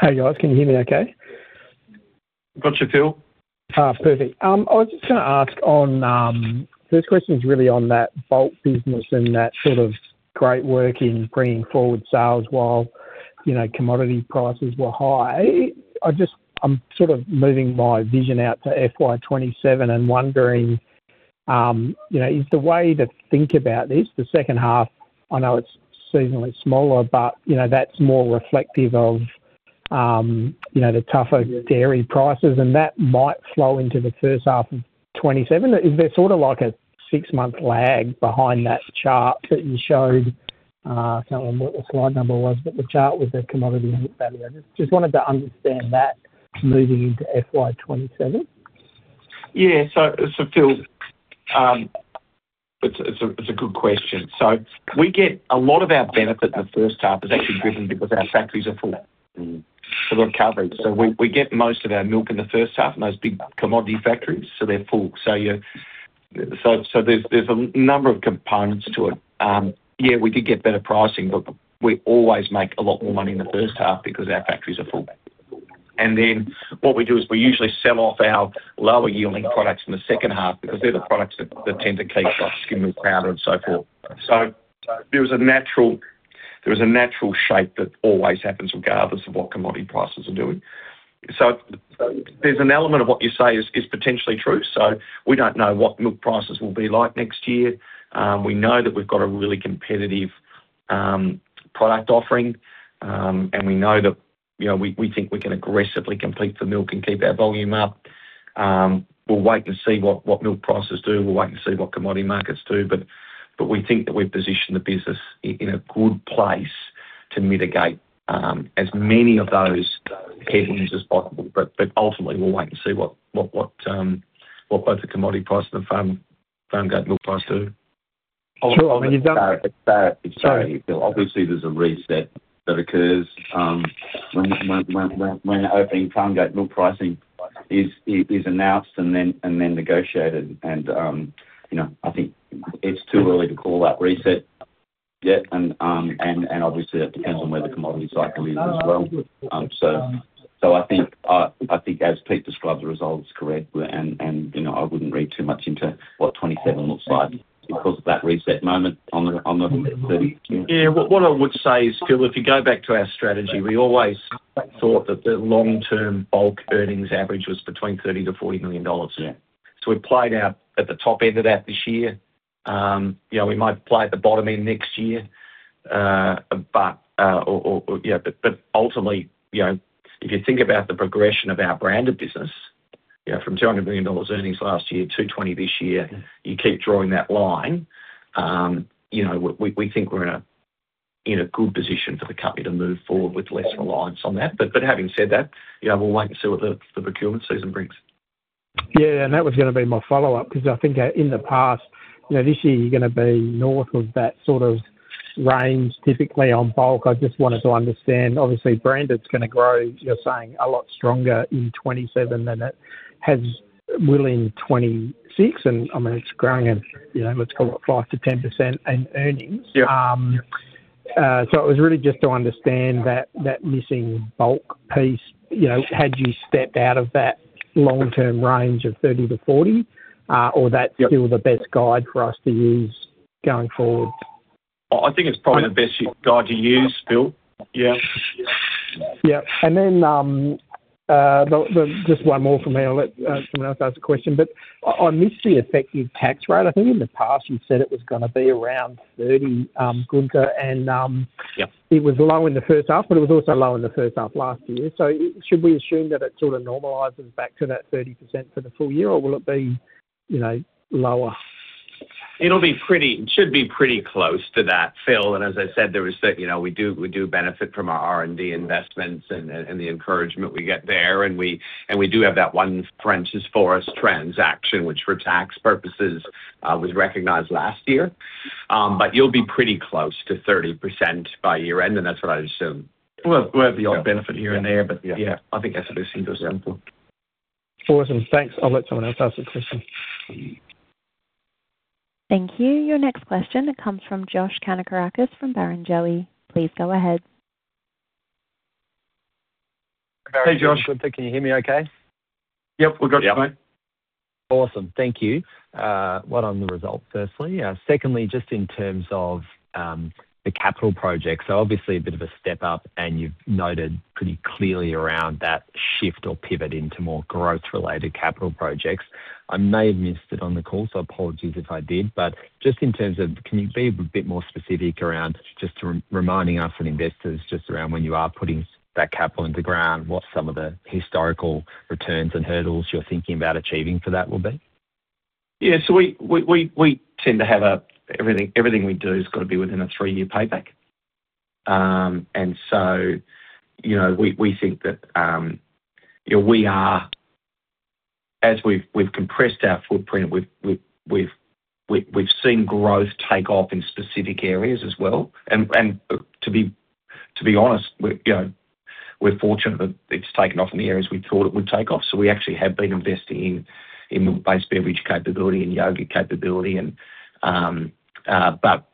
Hey, guys. Can you hear me okay? Got you, Phil. Ah, perfect. I was just gonna ask on... First question is really on that bulk business and that sort of great work in bringing forward sales while, you know, commodity prices were high. I just, I'm sort of moving my vision out to FY 2027 and wondering, you know, is the way to think about this, the second half, I know it's seasonally smaller, but, you know, that's more reflective of, you know, the tougher dairy prices, and that might flow into the first half of 2027. Is there sort of like a six-month lag behind that chart that you showed? I can't remember what the slide number was, but the chart with the commodity value. I just wanted to understand that moving into FY 2027. Yeah. So, Phil, it's a good question. So we get a lot of our benefit in the first half is actually driven because our factories are full. Mm-hmm. So we're covered. We get most of our milk in the first half, and those big commodity factories, so they're full. Yeah, so there's a number of components to it. We did get better pricing, but we always make a lot more money in the first half because our factories are full. And then, what we do is we usually sell off our lower-yielding products in the second half because they're the products that tend to keep, like, skim milk powder and so forth. So there is a natural shape that always happens regardless of what commodity prices are doing. So there's an element of what you say is potentially true. So we don't know what milk prices will be like next year. We know that we've got a really competitive product offering, and we know that, you know, we think we can aggressively compete for milk and keep our volume up. We'll wait and see what milk prices do. We'll wait and see what commodity markets do, but we think that we've positioned the business in a good place to mitigate as many of those earnings as possible, but ultimately, we'll wait and see what both the commodity price and the farm gate milk price do. Sure, I mean, you've done- It's there, it's there. Sorry. Obviously, there's a reset that occurs when opening farmgate milk pricing is announced and then negotiated. And, you know, I think it's too early to call that reset yet. And obviously, that depends on where the commodity cycle is as well. So I think as Pete described, the result is correct, and you know, I wouldn't read too much into what 27 looks like because of that reset moment on the 30. Yeah, what, what I would say is, Phil, if you go back to our strategy, we always thought that the long-term bulk earnings average was between 30 million-40 million dollars. Yeah. So we played out at the top end of that this year. You know, we might play at the bottom end next year, but ultimately, you know, if you think about the progression of our branded business, you know, from 200 million dollars earnings last year to 220 million this year- Mm. You keep drawing that line, you know, we think we're in a good position for the company to move forward with less reliance on that. But having said that, you know, we'll wait to see what the procurement season brings. Yeah, and that was gonna be my follow-up, 'cause I think, in the past, you know, this year you're gonna be north of that sort of range, typically on bulk. I just wanted to understand, obviously, branded is gonna grow, you're saying a lot stronger in 2027 than it has... will in 2026, and I mean, it's growing at, you know, let's call it 5%-10% in earnings? Yeah. So it was really just to understand that missing bulk piece, you know, had you stepped out of that long-term range of 30-40, or that- Yep. -still the best guide for us to use going forward? I think it's probably the best guide to use, Phil. Yeah. Yeah. And then, just one more from me. I'll let someone else ask a question, but on this year's effective tax rate, I think in the past you said it was gonna be around 30%, Gunther, and- Yeah. It was low in the first half, but it was also low in the first half last year. So should we assume that it sort of normalizes back to that 30% for the full year, or will it be, you know, lower? It should be pretty close to that, Phil. As I said, there is the, you know, we do benefit from our R&D investments and the encouragement we get there, and we do have that one Frenchs Forest transaction, which for tax purposes was recognized last year. But you'll be pretty close to 30% by year-end, and that's what I'd assume. Well, we'll have the odd benefit here and there. Yeah. Yeah, I think that does seem reasonable. Awesome. Thanks. I'll let someone else ask a question. Thank you. Your next question comes from Josh Kannourakis from Barrenjoey. Please go ahead. Hey, Josh. Gunther, can you hear me okay? Yep, we've got you. Yep. Awesome. Thank you. Well, on the results, firstly. Secondly, just in terms of the capital project, so obviously a bit of a step up, and you've noted pretty clearly around that shift or pivot into more growth-related capital projects. I may have missed it on the call, so apologies if I did, but just in terms of, can you be a bit more specific around just re-reminding us and investors just around when you are putting that capital into ground, what some of the historical returns and hurdles you're thinking about achieving for that will be? Yeah, so we tend to have a... Everything we do has got to be within a three-year payback. And so, you know, we think that, you know, we are-- As we've compressed our footprint, we've seen growth take off in specific areas as well. And to be honest, you know, we're fortunate that it's taken off in the areas we thought it would take off. So we actually have been investing in base beverage capability and yogurt capability, but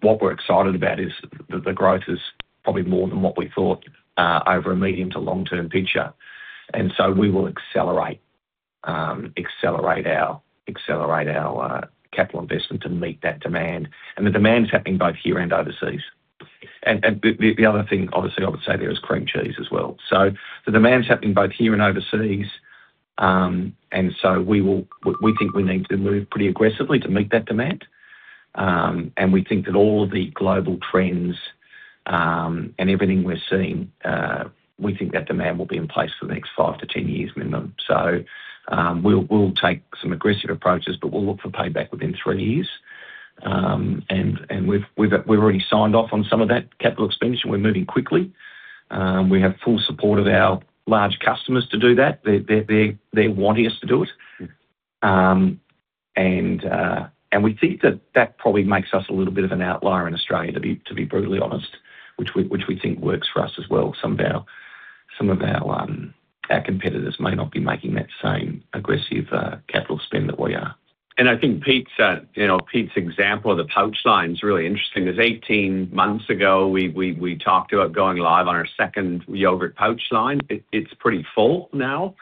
what we're excited about is the growth is probably more than what we thought over a medium to long-term picture. And so we will accelerate our capital investment to meet that demand, and the demand is happening both here and overseas. But the other thing, obviously, I would say there is cream cheese as well. So the demand is happening both here and overseas, and so we think we need to move pretty aggressively to meet that demand. And we think that all of the global trends and everything we're seeing, we think that demand will be in place for the next five to 10 years minimum. So, we'll take some aggressive approaches, but we'll look for payback within three years. And we've already signed off on some of that capital expenditure, and we're moving quickly. We have full support of our large customers to do that. They're wanting us to do it. We think that that probably makes us a little bit of an outlier in Australia, to be brutally honest, which we think works for us as well. Some of our competitors may not be making that same aggressive capital spend that we are. I think Pete's, you know, Pete's example of the pouch line is really interesting, 'cause 18 months ago, we talked about going live on our second yogurt pouch line. It's pretty full now.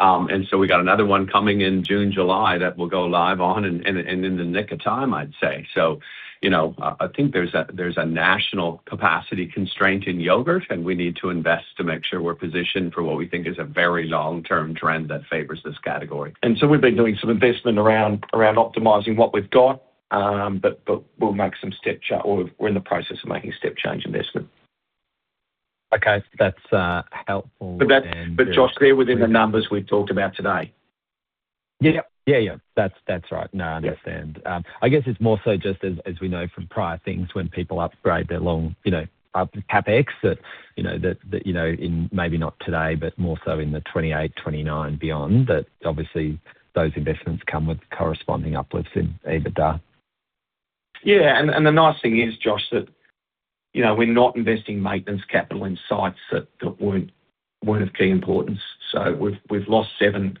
And so we got another one coming in June, July, that will go live on and in the nick of time, I'd say. So, you know, I think there's a national capacity constraint in yogurt, and we need to invest to make sure we're positioned for what we think is a very long-term trend that favors this category. So we've been doing some investment around optimizing what we've got, but we'll make some step change investment, or we're in the process of making step change investment. Okay. That's helpful. But, Josh, they're within the numbers we've talked about today. Yep. Yeah, yeah, that's right. No, I understand. I guess it's more so just as we know from prior things, when people upgrade their long, you know, up CapEx, that, you know, that, that, you know, in maybe not today, but more so in 2028, 2029 beyond, that obviously those investments come with corresponding uplifts in EBITDA. Yeah, and the nice thing is, Josh, that, you know, we're not investing maintenance capital in sites that weren't of key importance. So we've lost seven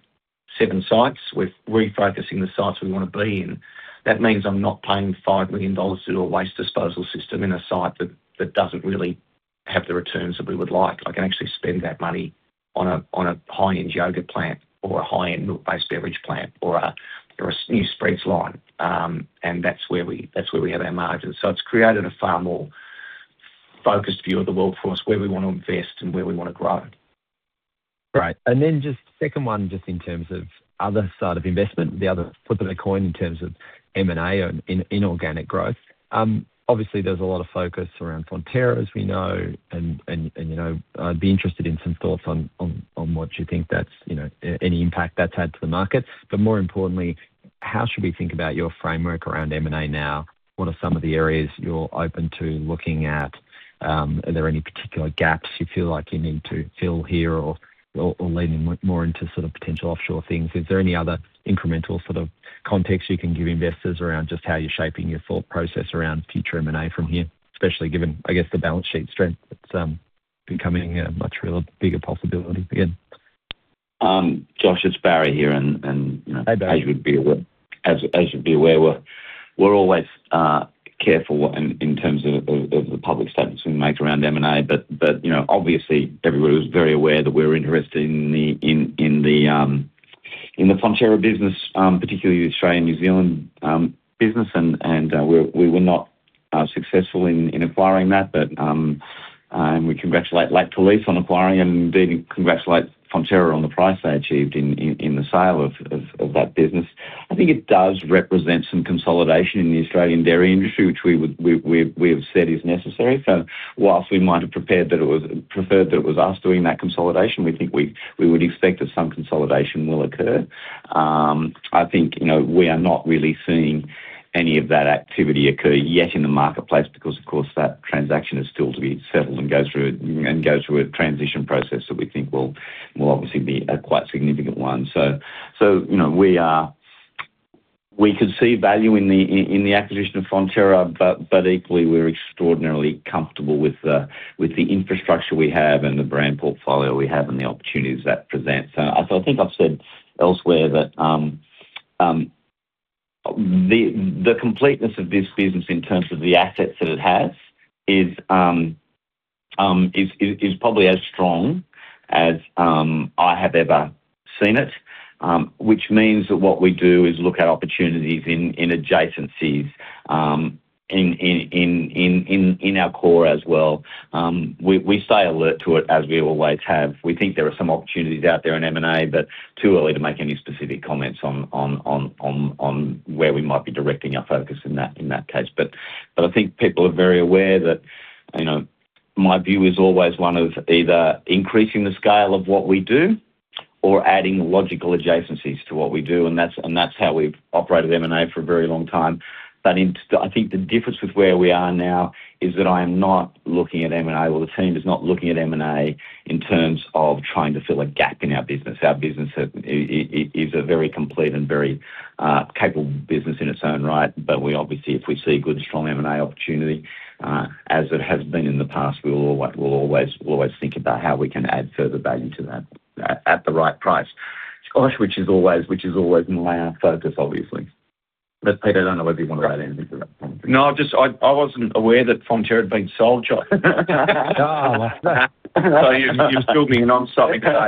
sites. We're refocusing the sites we wanna be in. That means I'm not paying 5 million dollars to do a waste disposal system in a site that doesn't really have the returns that we would like. I can actually spend that money on a high-end yogurt plant or a high-end milk-based beverage plant or a new spreads line. And that's where we have our margins. So it's created a far more focused view of the world for us, where we wanna invest and where we wanna grow. Great. And then just second one, just in terms of other side of investment, the other flip of the coin in terms of M&A and inorganic growth. Obviously, there's a lot of focus around Fonterra, as we know, you know, I'd be interested in some thoughts on what you think that's, you know, any impact that's had to the market. But more importantly, how should we think about your framework around M&A now? What are some of the areas you're open to looking at? Are there any particular gaps you feel like you need to fill here or leaning more into sort of potential offshore things? Is there any other incremental sort of context you can give investors around just how you're shaping your thought process around future M&A from here, especially given, I guess, the balance sheet strength that's becoming a much more real, bigger possibility again? Josh, it's Barry here, and you know. Hi, Barry. As you'd be aware, we're always careful in terms of the public statements we make around M&A. But you know, obviously everybody was very aware that we're interested in the Fonterra business, particularly the Australian, New Zealand business. We were not successful in acquiring that, but, and we congratulate Lactalis on acquiring and indeed congratulate Fonterra on the price they achieved in the sale of that business. I think it does represent some consolidation in the Australian dairy industry, which we have said is necessary. So whilst we might have preferred that it was us doing that consolidation, we think we would expect that some consolidation will occur. I think, you know, we are not really seeing any of that activity occur yet in the marketplace because, of course, that transaction is still to be settled and go through a transition process that we think will obviously be a quite significant one. So, you know, we could see value in the acquisition of Fonterra, but equally, we're extraordinarily comfortable with the infrastructure we have and the brand portfolio we have and the opportunities that present. So I think I've said elsewhere that the completeness of this business in terms of the assets that it has is probably as strong as I have ever seen it. Which means that what we do is look at opportunities in adjacencies in our core as well. We stay alert to it as we always have. We think there are some opportunities out there in M&A, but too early to make any specific comments on where we might be directing our focus in that case. But I think people are very aware that, you know, my view is always one of either increasing the scale of what we do or adding logical adjacencies to what we do, and that's how we've operated M&A for a very long time. But I think the difference with where we are now is that I am not looking at M&A, or the team is not looking at M&A in terms of trying to fill a gap in our business. Our business is a very complete and very capable business in its own right. But we obviously, if we see a good, strong M&A opportunity, as it has been in the past, we will always, we'll always, always think about how we can add further value to that at the right price. Gosh, which is always, which is always my focus, obviously. But, Peter, I don't know whether you want to add anything to that? No, just I wasn't aware that Fonterra had been sold, Josh. Oh, wow! So you, you're still being non-stop today.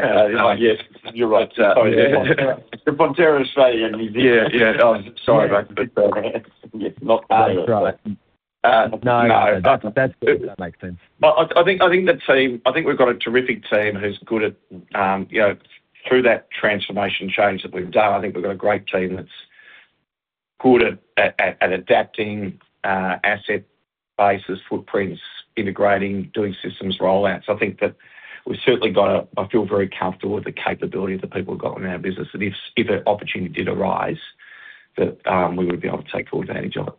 Yes, you're right. Fonterra. The Fonterra Australia. Yeah, yeah. Oh, sorry about that. Not part of it. That's right. Uh, no. That's good. That makes sense. I think we've got a terrific team who's good at, you know, through that transformation change that we've done. I think we've got a great team that's good at adapting asset bases, footprints, integrating, doing systems rollouts. I think that we've certainly got a—I feel very comfortable with the capability of the people we've got in our business, that if an opportunity did arise, that we would be able to take full advantage of it.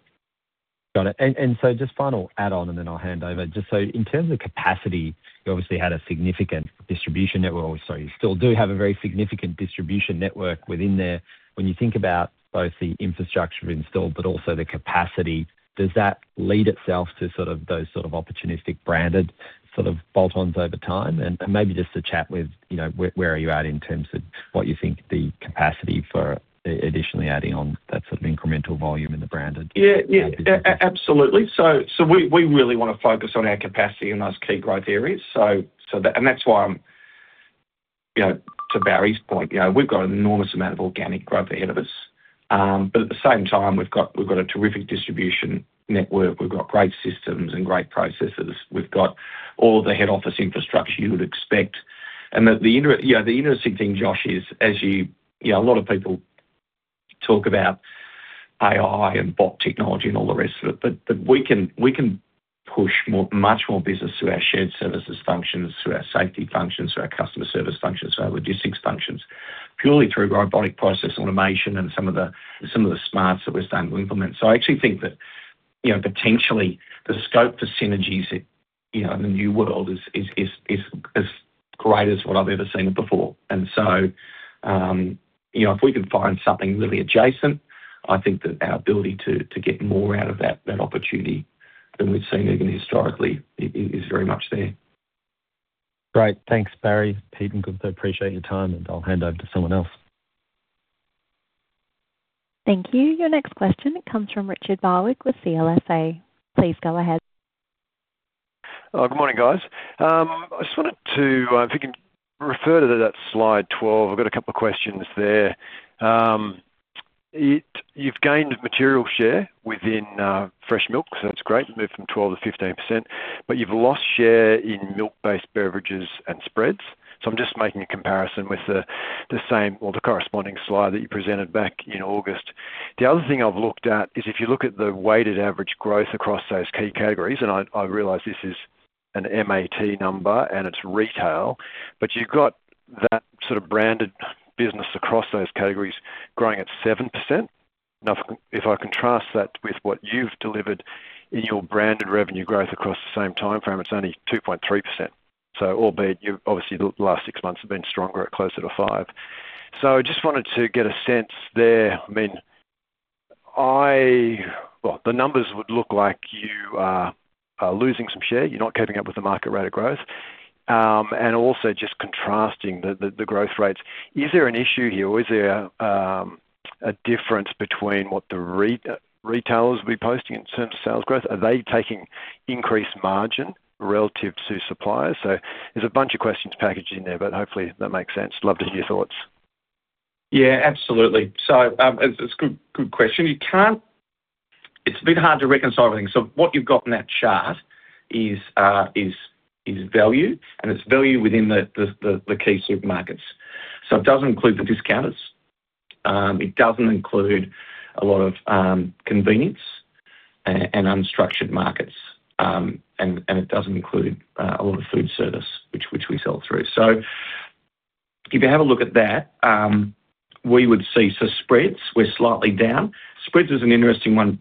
Got it. And so just final add on, and then I'll hand over. Just so in terms of capacity, you obviously had a significant distribution network, or sorry, you still do have a very significant distribution network within there. When you think about both the infrastructure installed but also the capacity, does that lend itself to sort of those sort of opportunistic branded sort of bolt-ons over time? And maybe just to chat with, you know, where are you at in terms of what you think the capacity for additionally adding on that sort of incremental volume in the branded? Yeah, yeah, absolutely. So we really wanna focus on our capacity in those key growth areas. So that-- And that's why I'm, you know, to Barry's point, you know, we've got an enormous amount of organic growth ahead of us. But at the same time, we've got a terrific distribution network. We've got great systems and great processes. We've got all the head office infrastructure you would expect. And that the inter-- Yeah, the interesting thing, Josh, is as you... You know, a lot of people... talk about AI and bot technology and all the rest of it, but we can push more, much more business through our shared services functions, through our safety functions, through our customer service functions, our logistics functions, purely through robotic process automation and some of the smarts that we're starting to implement. So I actually think that, you know, potentially the scope for synergies in, you know, in the new world is as great as what I've ever seen it before. And so, you know, if we can find something really adjacent, I think that our ability to get more out of that opportunity than we've seen even historically is very much there. Great. Thanks, Barry. Good to appreciate your time, and I'll hand over to someone else. Thank you. Your next question comes from Richard Barwick with CLSA. Please go ahead. Good morning, guys. I just wanted to, if you can refer to that slide 12, I've got a couple of questions there. It's you've gained material share within fresh milk, so that's great. Moved from 12%-15%, but you've lost share in milk-based beverages and spreads. So I'm just making a comparison with the, the same or the corresponding slide that you presented back in August. The other thing I've looked at is if you look at the weighted average growth across those key categories, and I, I realize this is an MAT number and it's retail, but you've got that sort of branded business across those categories growing at 7%. Now, if, if I contrast that with what you've delivered in your branded revenue growth across the same timeframe, it's only 2.3%. So, albeit you've obviously the last six months have been stronger at closer to five. So I just wanted to get a sense there. I mean, well, the numbers would look like you are losing some share, you're not keeping up with the market rate of growth, and also just contrasting the growth rates. Is there an issue here or is there a difference between what the retailers will be posting in terms of sales growth? Are they taking increased margin relative to suppliers? So there's a bunch of questions packaged in there, but hopefully that makes sense. Love to hear your thoughts. Yeah, absolutely. So, it's a good question. It's a bit hard to reconcile everything. So what you've got in that chart is value, and it's value within the key supermarkets. So it doesn't include the discounters, it doesn't include a lot of convenience and unstructured markets, and it doesn't include a lot of food service, which we sell through. So if you have a look at that, we would see, so spreads, we're slightly down. Spreads is an interesting one.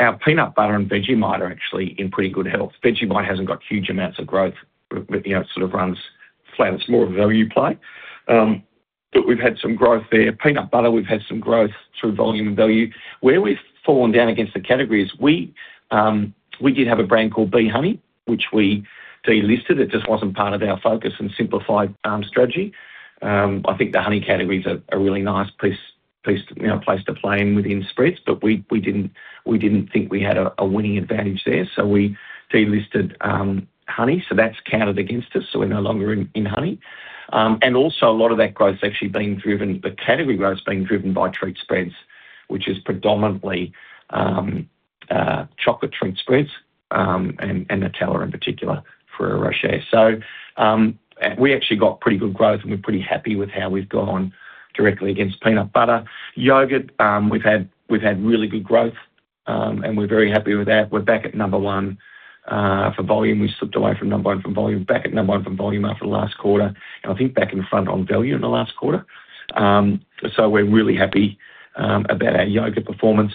Our peanut butter and Vegemite are actually in pretty good health. Vegemite hasn't got huge amounts of growth, but, you know, it sort of runs flat. It's more of a value play. But we've had some growth there. Peanut butter, we've had some growth through volume and value. Where we've fallen down against the category is we did have a brand called B Honey, which we delisted. It just wasn't part of our focus and simplified strategy. I think the honey categories are a really nice place you know place to play in within spreads, but we didn't think we had a winning advantage there, so we delisted honey, so that's counted against us, so we're no longer in honey. And also, a lot of that growth has actually been driven, the category growth has been driven by treat spreads, which is predominantly chocolate treat spreads, and Nutella in particular for Ferrero Rocher. So, we actually got pretty good growth, and we're pretty happy with how we've gone directly against peanut butter. Yogurt, we've had really good growth, and we're very happy with that. We're back at number one for volume. We slipped away from number one from volume, back at number one from volume after the last quarter, and I think back in front on value in the last quarter. So we're really happy about our yogurt performance.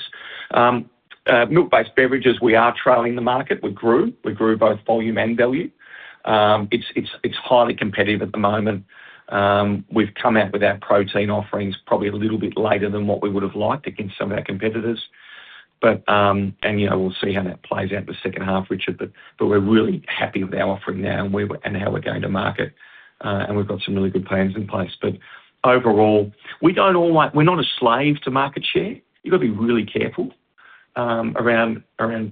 Milk-based beverages, we are trailing the market. We grew both volume and value. It's highly competitive at the moment. We've come out with our protein offerings probably a little bit later than what we would have liked against some of our competitors. you know, we'll see how that plays out in the second half, Richard, but we're really happy with our offering now and where we and how we're going to market, and we've got some really good plans in place. But overall, we're not a slave to market share. You've got to be really careful around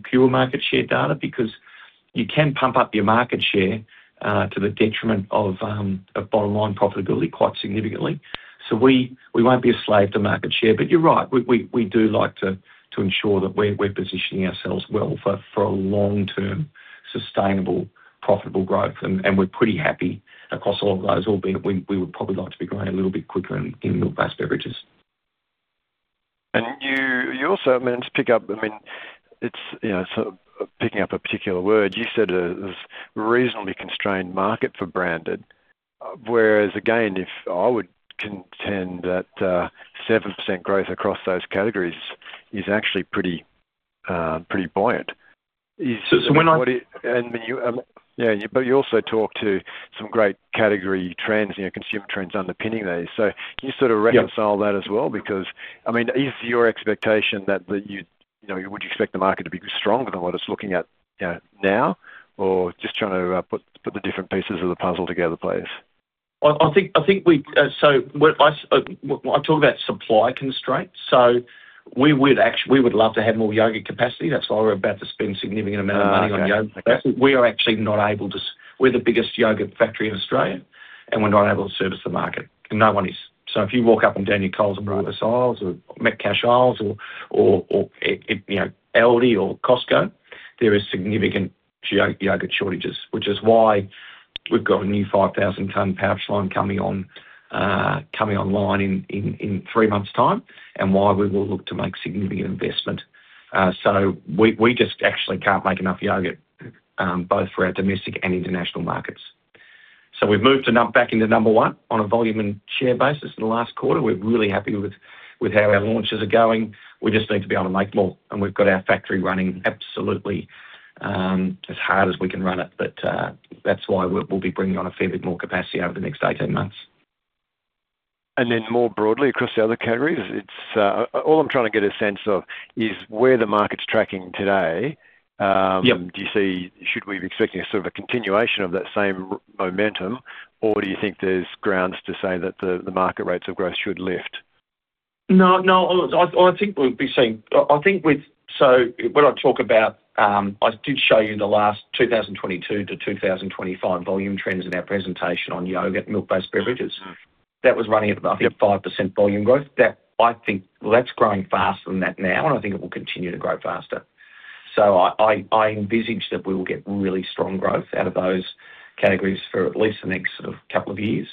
pure market share data because you can pump up your market share to the detriment of bottom line profitability quite significantly. So we won't be a slave to market share, but you're right, we do like to ensure that we're positioning ourselves well for long-term, sustainable, profitable growth, and we're pretty happy across all of those. Albeit, we would probably like to be growing a little bit quicker in milk-based beverages. You, you also meant to pick up, I mean, it's, you know, sort of picking up a particular word, you said a reasonably constrained market for branded. Whereas, again, if I would contend that 7% growth across those categories is actually pretty, pretty buoyant. Is- When I- Yeah, but you also talked to some great category trends, you know, consumer trends underpinning these. So can you sort of reconcile- Yeah That as well? Because, I mean, is your expectation that you know would you expect the market to be stronger than what it's looking at, you know, now, or just trying to put the different pieces of the puzzle together, please? I think, I think we, so what I talk about supply constraints, so we would, we would love to have more yogurt capacity. That's why we're about to spend a significant amount of money on yogurt. Ah, okay. We are actually not able to. We're the biggest yogurt factory in Australia, and we're not able to service the market, and no one is. So if you walk up and down your Coles and Coles aisles or Metcash aisles or you know, Aldi or Costco, there is significant yogurt shortages, which is why. We've got a new 5,000-ton pouch line coming online in three months' time, and why we will look to make significant investment. So we just actually can't make enough yogurt, both for our domestic and international markets. So we've moved back into number one on a volume and share basis in the last quarter. We're really happy with how our launches are going. We just need to be able to make more, and we've got our factory running absolutely, as hard as we can run it. But, that's why we, we'll be bringing on a fair bit more capacity over the next 18 months. Then more broadly across the other categories, it's all I'm trying to get a sense of is where the market's tracking today. Yep. Do you see, should we be expecting a sort of a continuation of that same momentum, or do you think there's grounds to say that the market rates of growth should lift? No, I think we'll be seeing. I think with... So when I talk about, I did show you in the last 2022 to 2025 volume trends in our presentation on yogurt, milk-based beverages. Mm-hmm. That was running at about, I think, 5% volume growth. That, I think, well, that's growing faster than that now, and I think it will continue to grow faster. So I envisage that we will get really strong growth out of those categories for at least the next sort of couple of years.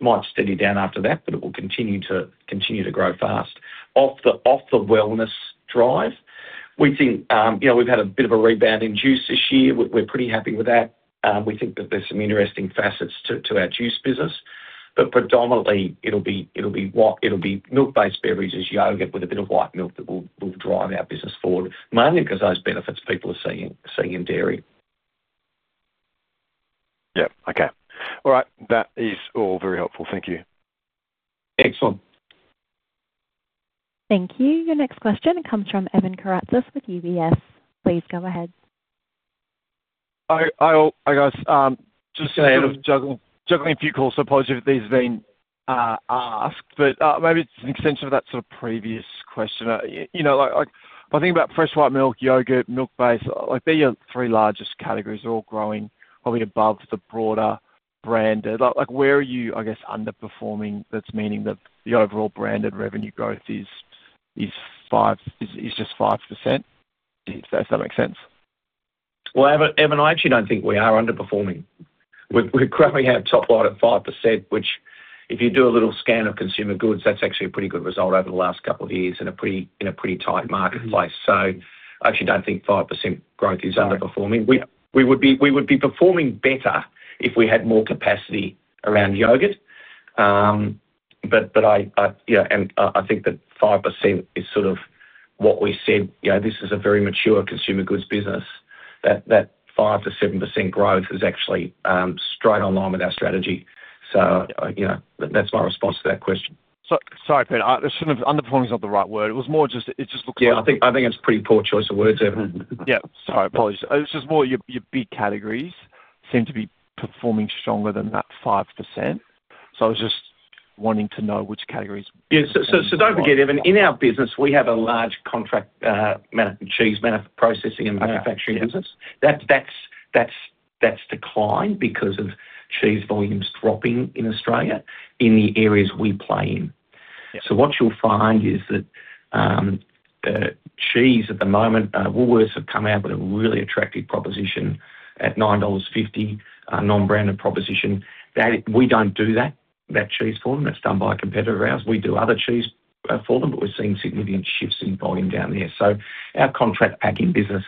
Might steady down after that, but it will continue to grow fast. Off the wellness drive, we think, you know, we've had a bit of a rebound in juice this year. We're pretty happy with that. We think that there's some interesting facets to our juice business, but predominantly it'll be milk-based beverages, yogurt with a bit of white milk that will drive our business forward, mainly because those benefits people are seeing in dairy. Yep. Okay. All right. That is all very helpful. Thank you. Excellent. Thank you. Your next question comes from Evan Karatzas with UBS. Please go ahead. Hi, guys, just sort of juggling a few calls, so apologies if these have been asked, but maybe it's an extension of that sort of previous question. You know, like, if I think about fresh white milk, yogurt, milk-based, like, they're your three largest categories, they're all growing probably above the broader brand. Like, where are you, I guess, underperforming, that's meaning that the overall branded revenue growth is just 5%? Does that make sense? Well, Evan, I actually don't think we are underperforming. We're growing our top line at 5%, which if you do a little scan of consumer goods, that's actually a pretty good result over the last couple of years in a pretty tight marketplace. Mm-hmm. I actually don't think 5% growth is underperforming. Right. We would be performing better if we had more capacity around yogurt. But I, you know, and I think that 5% is sort of what we said. You know, this is a very mature consumer goods business that 5%-7% growth is actually straight on line with our strategy. So, you know, that's my response to that question. So sorry, Pete, sort of underperforming is not the right word. It was more just, it just looked like- Yeah, I think, I think it's a pretty poor choice of words, Evan. Yeah, sorry, apologies. It was just more your, your big categories seem to be performing stronger than that 5%. So I was just wanting to know which categories. Yeah, so don't forget, Evan, in our business, we have a large contract manufacturing cheese processing and manufacturing business. Yeah. That's declined because of cheese volumes dropping in Australia in the areas we play in. Yeah. So what you'll find is that, cheese at the moment, Woolworths have come out with a really attractive proposition at 9.50 dollars, non-branded proposition. That. We don't do that, that cheese for them, that's done by a competitor of ours. We do other cheese, for them, but we're seeing significant shifts in volume down there. So our contract packing business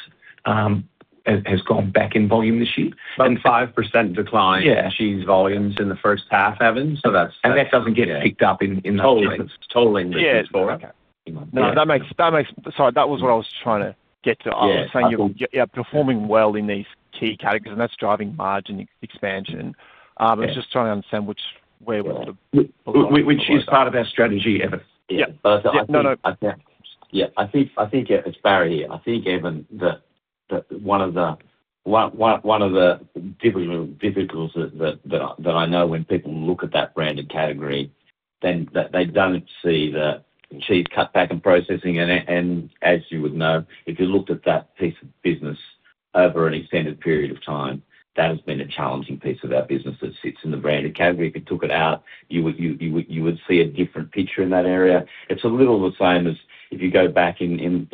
has gone back in volume this year. 5% decline- Yeah in cheese volumes in the first half, Evan, so that's- That doesn't get picked up in that business. Totally. Totally. Yeah. Okay. No, that makes... Sorry, that was what I was trying to get to. Yeah. I'm saying you, yeah, performing well in these key categories, and that's driving margin expansion. Yeah. I was just trying to understand which, where we're sort of- Which is part of our strategy, Evan. Yeah. Yeah. No, no. Yeah, I think, yeah, it's Barry here. I think, Evan, that one of the difficults that I know when people look at that branded category, they don't see the cheese cut back and processing. And as you would know, if you looked at that piece of business over an extended period of time, that has been a challenging piece of our business that sits in the branded category. If you took it out, you would see a different picture in that area. It's a little the same as if you go back in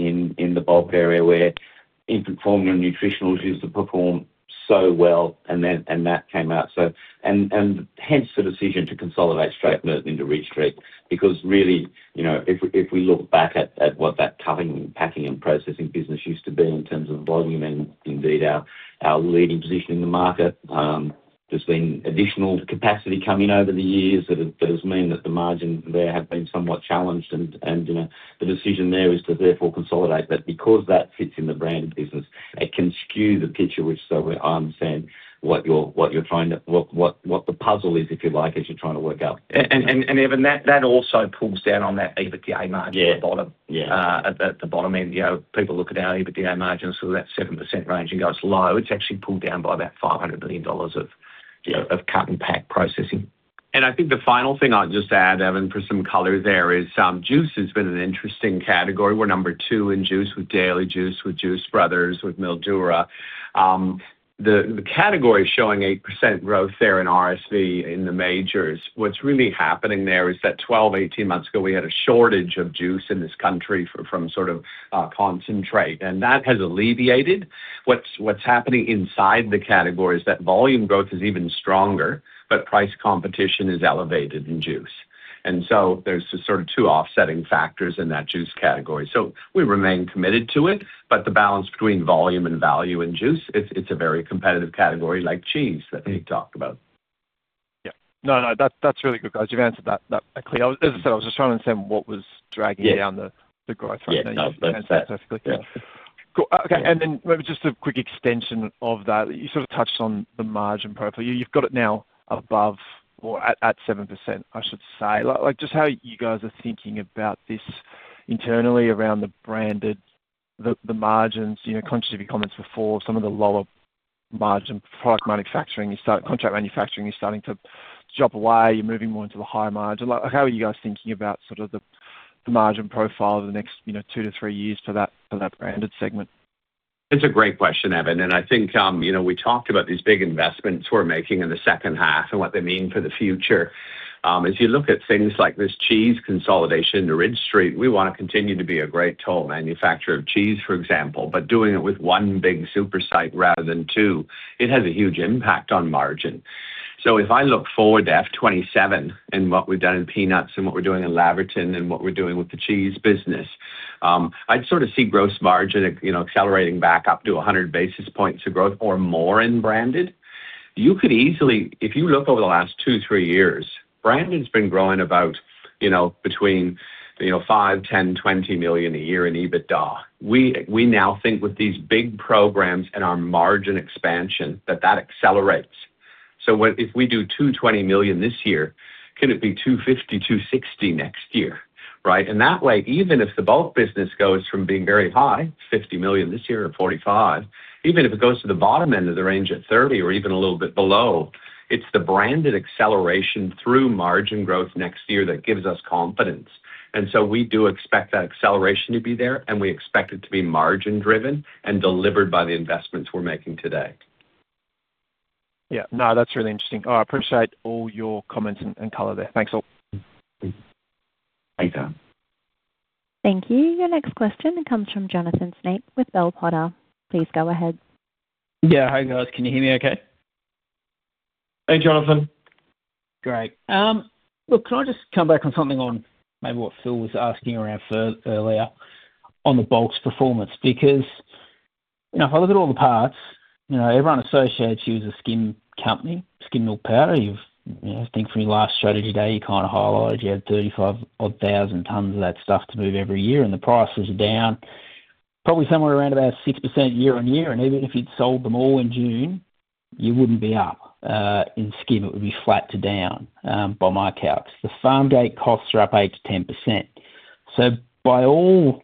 the bulk area where infant formula and nutritionals used to perform so well, and then that came out. So, hence the decision to consolidate Strathmerton into Ridge Street. Because really, you know, if we look back at what that cutting, packing, and processing business used to be in terms of volume and indeed our leading position in the market, there's been additional capacity coming over the years that has meant that the margins there have been somewhat challenged. And, you know, the decision there is to therefore consolidate that. Because that sits in the branded business, it can skew the picture which, so I understand what you're trying to, what the puzzle is, if you like, as you're trying to work out. And, Evan, that also pulls down on that EBITDA margin- Yeah - at the bottom. Yeah. At the bottom end, you know, people look at our EBITDA margins, so that 7% range and goes low. It's actually pulled down by about 500 million dollars of- Yeah - of cut and pack processing. I think the final thing I'd just add, Evan, for some color there is, juice has been an interesting category. We're number two in juice with Daily Juice, with Juice Brothers, with Mildura. The category showing 8% growth there in RSV in the majors, what's really happening there is that 12, 18 months ago, we had a shortage of juice in this country from, from sort of, concentrate, and that has alleviated. What's happening inside the category is that volume growth is even stronger, but price competition is elevated in juice. And so there's sort of two offsetting factors in that juice category. So we remain committed to it, but the balance between volume and value in juice, it's a very competitive category like cheese that Pete talked about. Yeah. No, no, that's, that's really good, guys. You've answered that, that clearly. As I said, I was just trying to understand what was dragging- Yeah. down the growth rate. Yeah. No, that's- Perfectly, yeah. Cool. Okay, and then maybe just a quick extension of that. You sort of touched on the margin profile. You, you've got it now above or at, at 7%, I should say. Like, like, just how you guys are thinking about this internally around the branded, the, the margins, you know, conscious of your comments before, some of the lower margin product manufacturing. Contract manufacturing is starting to drop away, you're moving more into the higher margin. Like, how are you guys thinking about sort of the, the margin profile over the next, you know, two to three years for that, for that branded segment? It's a great question, Evan, and I think, you know, we talked about these big investments we're making in the second half and what they mean for the future. As you look at things like this cheese consolidation to Ridge Street, we wanna continue to be a great total manufacturer of cheese, for example, but doing it with one big super site rather than two, it has a huge impact on margin. So if I look forward to FY 2027 and what we've done in peanuts and what we're doing in Laverton and what we're doing with the cheese business, I'd sort of see gross margin, you know, accelerating back up to 100 basis points of growth or more in branded. You could easily. If you look over the last two, three years, branded's been growing about, you know, between, you know, 5 million, 10 million, 20 million a year in EBITDA. We now think with these big programs and our margin expansion, that that accelerates. So when—if we do 220 million this year, could it be 250 million, 260 million next year, right? And that way, even if the bulk business goes from being very high, 50 million this year or 45 million, even if it goes to the bottom end of the range at 30 million or even a little bit below, it's the branded acceleration through margin growth next year that gives us confidence. And so we do expect that acceleration to be there, and we expect it to be margin-driven and delivered by the investments we're making today. Yeah. No, that's really interesting. I appreciate all your comments and, and color there. Thanks a lot. Thanks, Evan. Thank you. Your next question comes from Jonathan Snape with Bell Potter. Please go ahead. Yeah. Hi, guys. Can you hear me okay? Hey, Jonathan. Great. Look, can I just come back on something on maybe what Phil was asking around for earlier on the bulk's performance? Because, you know, if I look at all the parts, you know, everyone associates you as a skim company, skim milk powder. You've, you know, I think from your last strategy day, you kinda highlighted you had 35,000-odd tons of that stuff to move every year, and the prices are down, probably somewhere around about 6% year-on-year. And even if you'd sold them all in June, you wouldn't be up, in skim, it would be flat to down, by my calcs. The farm gate costs are up 8%-10%. So by all,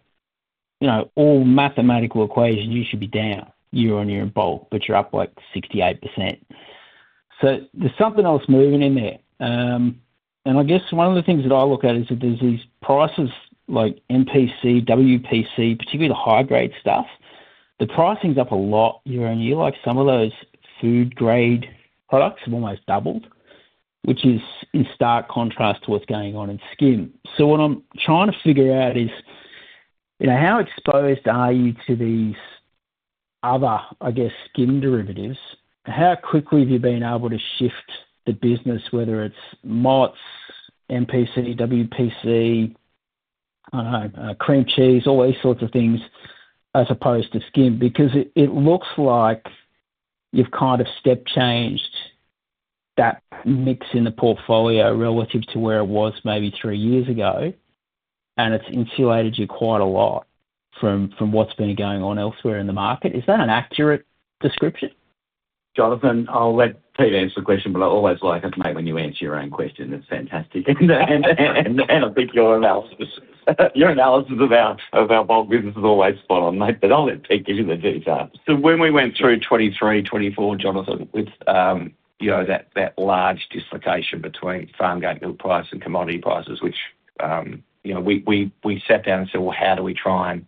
you know, all mathematical equations, you should be down year-on-year in bulk, but you're up, like, 68%. So there's something else moving in there. And I guess one of the things that I look at is that there's these prices like MPC, WPC, particularly the high-grade stuff, the pricing's up a lot year-over-year. Like, some of those food grade products have almost doubled, which is in stark contrast to what's going on in skim. So what I'm trying to figure out is, you know, how exposed are you to these other, I guess, skim derivatives? How quickly have you been able to shift the business, whether it's MPC's, MPC, WPC, cream cheese, all these sorts of things, as opposed to skim? Because it looks like you've kind of step changed that mix in the portfolio relative to where it was maybe three years ago, and it's insulated you quite a lot from what's been going on elsewhere in the market. Is that an accurate description? Jonathan, I'll let Pete answer the question, but I always like it, mate, when you answer your own question. It's fantastic. And I think your analysis of our bulk business is always spot on, mate, but I'll let Pete give you the details. So when we went through 2023, 2024, Jonathan, with, you know, that, that large dislocation between farm gate milk price and commodity prices, which, you know, we, we, we sat down and said, "Well, how do we try and,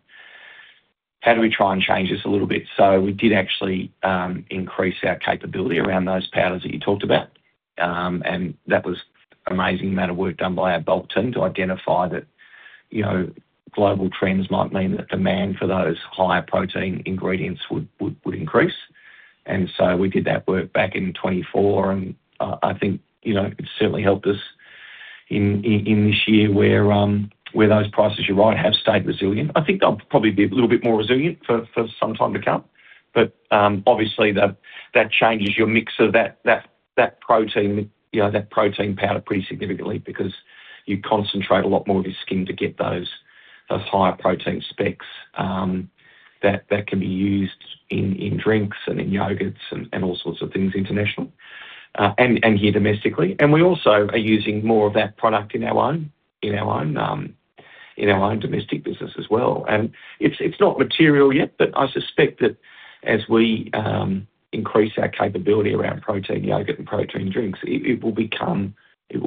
how do we try and change this a little bit?" So we did actually, increase our capability around those powders that you talked about. And that was amazing amount of work done by our bulk team to identify that, you know, global trends might mean that demand for those higher protein ingredients would, would, would increase. And so we did that work back in 2024, and, I think, you know, it's certainly helped us in, in, in this year where, where those prices, you're right, have stayed resilient. I think they'll probably be a little bit more resilient for some time to come, but obviously that changes your mix of that protein, you know, that protein powder pretty significantly because you concentrate a lot more of your skim to get those higher protein specs that can be used in drinks and in yogurts and all sorts of things international and here domestically. We also are using more of that product in our own domestic business as well. It's not material yet, but I suspect that as we increase our capability around protein yogurt and protein drinks, it will become, you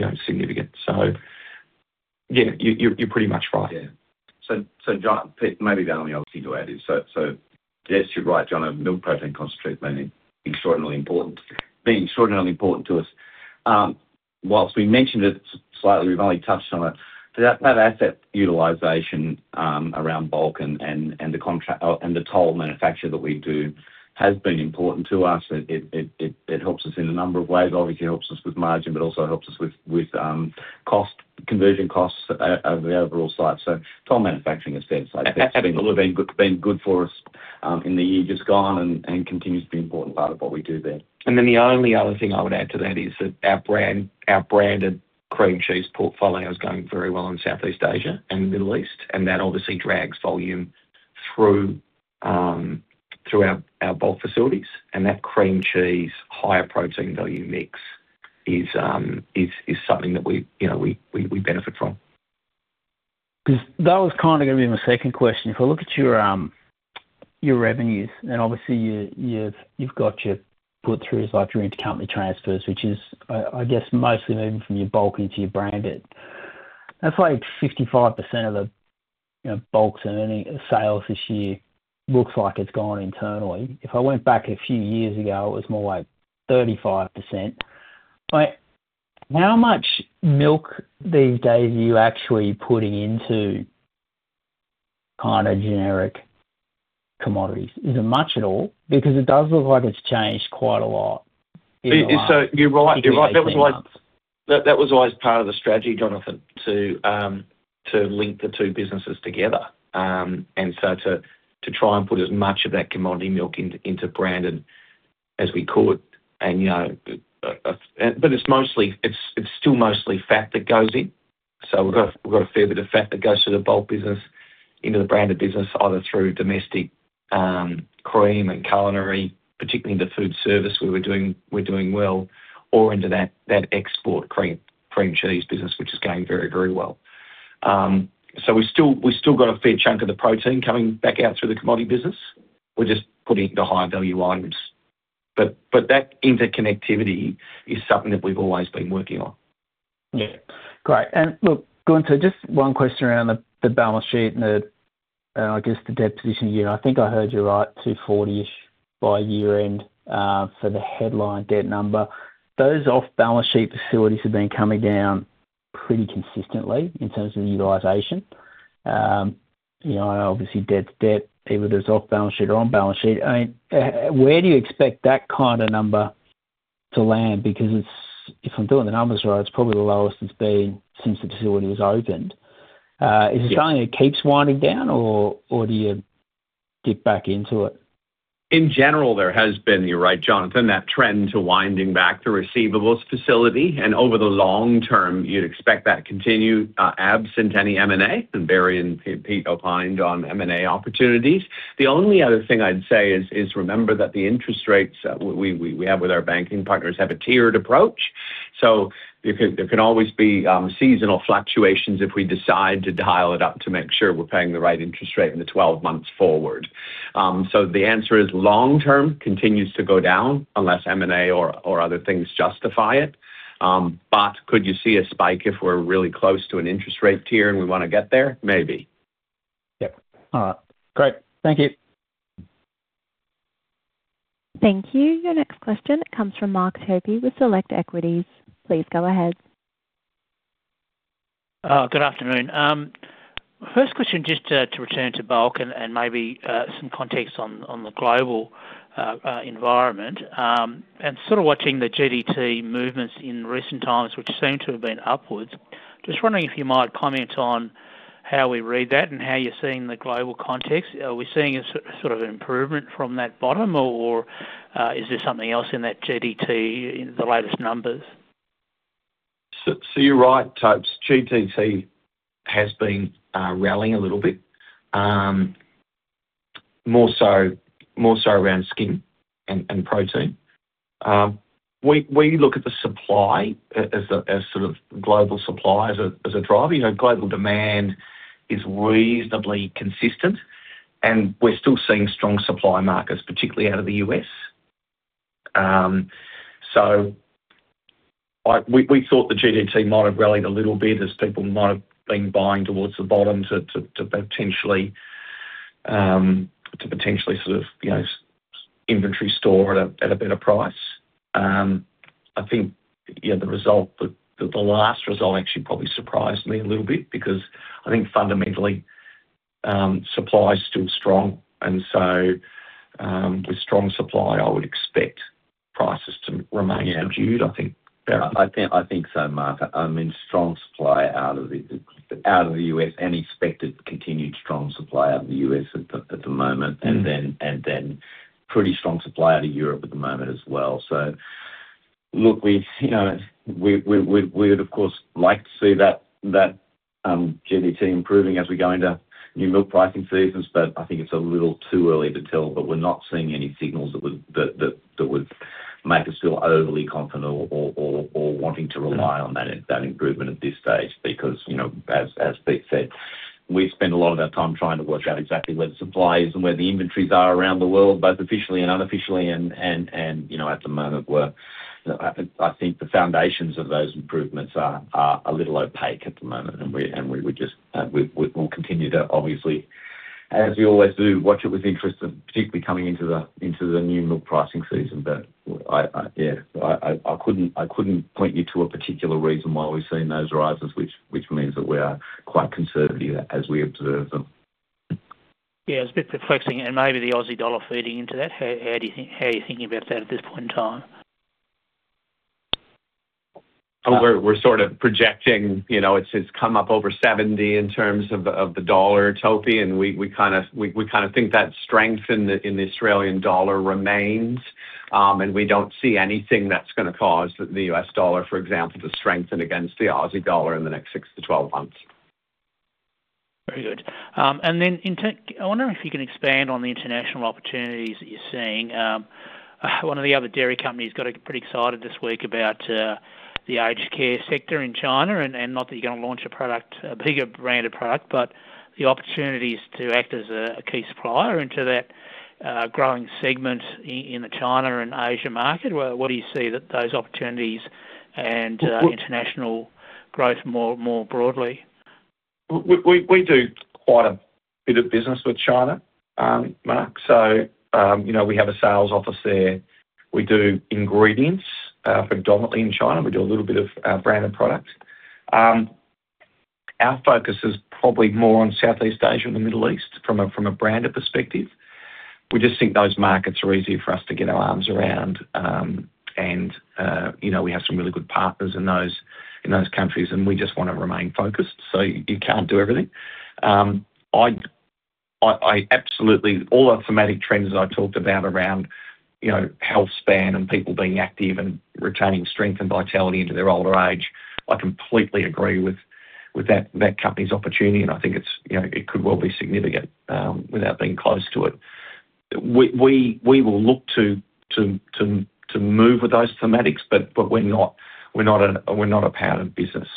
know, significant. So yeah, you're pretty much right. Yeah. So, Jonathan, Pete, maybe the only other thing to add is so, yes, you're right, Jonathan, milk protein concentrate has been extraordinarily important, been extraordinarily important to us. While we mentioned it slightly, we've only touched on it- So that asset utilization around bulk and the contract and the toll manufacture that we do has been important to us. It helps us in a number of ways. Obviously, it helps us with margin, but also helps us with conversion costs over the overall site. So toll manufacturing has been- Absolutely. been good, been good for us in the year just gone and continues to be an important part of what we do there. And then the only other thing I would add to that is that our brand, our branded cream cheese portfolio is going very well in Southeast Asia and the Middle East, and that obviously drags volume through our bulk facilities. And that cream cheese, higher protein value mix is something that we, you know, benefit from. 'Cause that was kind of gonna be my second question. If I look at your, your revenues, and obviously you, you've, you've got your put throughs, like your intercompany transfers, which is, I guess, mostly moving from your bulk into your branded. That's like 65% of the, you know, bulks and any sales this year looks like it's gone internally. If I went back a few years ago, it was more like 35%. Like, how much milk these days are you actually putting into kind of generic commodities? Is it much at all? Because it does look like it's changed quite a lot. So you're right, you're right. That was. That, that was always part of the strategy, Jonathan, to link the two businesses together. And so to try and put as much of that commodity milk into branded as we could, and you know, but it's mostly. It's still mostly fat that goes in. So we've got a fair bit of fat that goes to the bulk business, into the branded business, either through domestic cream and culinary, particularly in the food service, where we're doing well, or into that export cream, cream cheese business, which is going very well. So we've still got a fair chunk of the protein coming back out through the commodity business. We're just putting the higher value items. That interconnectivity is something that we've always been working on. Yeah. Great. And look, Gunther, just one question around the, the balance sheet and the, I guess, the debt position here. I think I heard you right, 240-ish by year-end, for the headline debt number. Those off-balance sheet facilities have been coming down pretty consistently in terms of utilization. You know, obviously, debt's debt, even if it's off balance sheet or on balance sheet. I mean, where do you expect that kind of number to land? Because it's, if I'm doing the numbers right, it's probably the lowest it's been since the facility was opened. Yeah. Is it something that keeps winding down, or do you dip back into it? In general, there has been, you're right, Jonathan, that trend to winding back the receivables facility, and over the long term, you'd expect that to continue, absent any M&A, and Barry and Pete opined on M&A opportunities. The only other thing I'd say is remember that the interest rates we have with our banking partners have a tiered approach, so there can always be seasonal fluctuations if we decide to dial it up to make sure we're paying the right interest rate in the 12 months forward. So the answer is long term, continues to go down unless M&A or other things justify it. But could you see a spike if we're really close to an interest rate tier, and we wanna get there? Maybe. Yep. Great. Thank you. Thank you. Your next question comes from Mark Topy with Select Equities. Please go ahead. Good afternoon. First question, just to return to bulk and maybe some context on the global environment. And sort of watching the GDT movements in recent times, which seem to have been upwards. Just wondering if you might comment on how we read that and how you're seeing the global context. Are we seeing a sort of an improvement from that bottom, or is there something else in that GDT in the latest numbers? So, you're right, Topy. GDT has been rallying a little bit, more so around skim and protein. We look at the supply as the sort of global supply as a driver. You know, global demand is reasonably consistent, and we're still seeing strong supply markets, particularly out of the U.S. So we thought the GDT might have rallied a little bit, as people might have been buying towards the bottom to potentially sort of, you know, inventory store at a better price. I think, yeah, the result, the last result actually probably surprised me a little bit because I think fundamentally, supply is still strong, and so, with strong supply, I would expect prices to remain subdued. I think, Barry? I think so, Mark. I mean, strong supply out of the U.S. and expected continued strong supply out of the U.S. at the moment- Mm-hmm. And then pretty strong supply out of Europe at the moment as well. So look, you know, we'd of course like to see that GDT improving as we go into new milk pricing seasons, but I think it's a little too early to tell. But we're not seeing any signals that would make us feel overly confident or wanting to rely on that improvement at this stage. Because, you know, as Pete said, we spend a lot of our time trying to work out exactly where the supply is and where the inventories are around the world, both officially and unofficially, and you know, at the moment, we're... I think the foundations of those improvements are a little opaque at the moment, and we would just, we will continue to obviously- ... as we always do, watch it with interest, and particularly coming into the new milk pricing season. But I, yeah, couldn't point you to a particular reason why we've seen those rises, which means that we are quite conservative as we observe them. Yeah, it's a bit perplexing, and maybe the Aussie dollar feeding into that. How do you think - how are you thinking about that at this point in time? We're sort of projecting, you know, it's come up over 70 in terms of the dollar, Topy, and we kinda think that strength in the Australian dollar remains. And we don't see anything that's gonna cause the U.S. dollar, for example, to strengthen against the Aussie dollar in the next six to 12 months. Very good. And then in turn, I wonder if you can expand on the international opportunities that you're seeing. One of the other dairy companies got pretty excited this week about the aged care sector in China, and not that you're gonna launch a product, a bigger branded product, but the opportunities to act as a key supplier into that growing segment in the China and Asia market. What do you see in those opportunities and international growth more broadly? We do quite a bit of business with China, Mark. So, you know, we have a sales office there. We do ingredients, predominantly in China. We do a little bit of branded product. Our focus is probably more on Southeast Asia and the Middle East from a branded perspective. We just think those markets are easier for us to get our arms around, and you know, we have some really good partners in those countries, and we just wanna remain focused, so you can't do everything. I absolutely... All the thematic trends I talked about around, you know, health span, and people being active, and retaining strength and vitality into their older age, I completely agree with that company's opportunity, and I think it's, you know, it could well be significant without being close to it. We will look to move with those thematics, but we're not a part of business.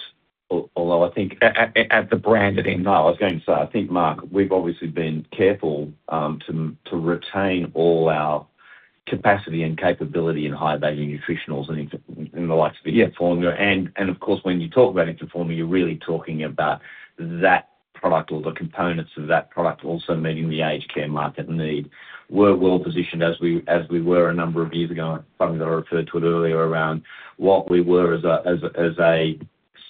Although I think at the branded end, no, I was going to say, I think, Mark, we've obviously been careful to retain all our capacity and capability in high-value nutritionals and in the likes of the formula. And, of course, when you talk about infant formula, you're really talking about that product or the components of that product also meeting the aged care market need. We're well positioned as we were a number of years ago, I referred to it earlier, around what we were as a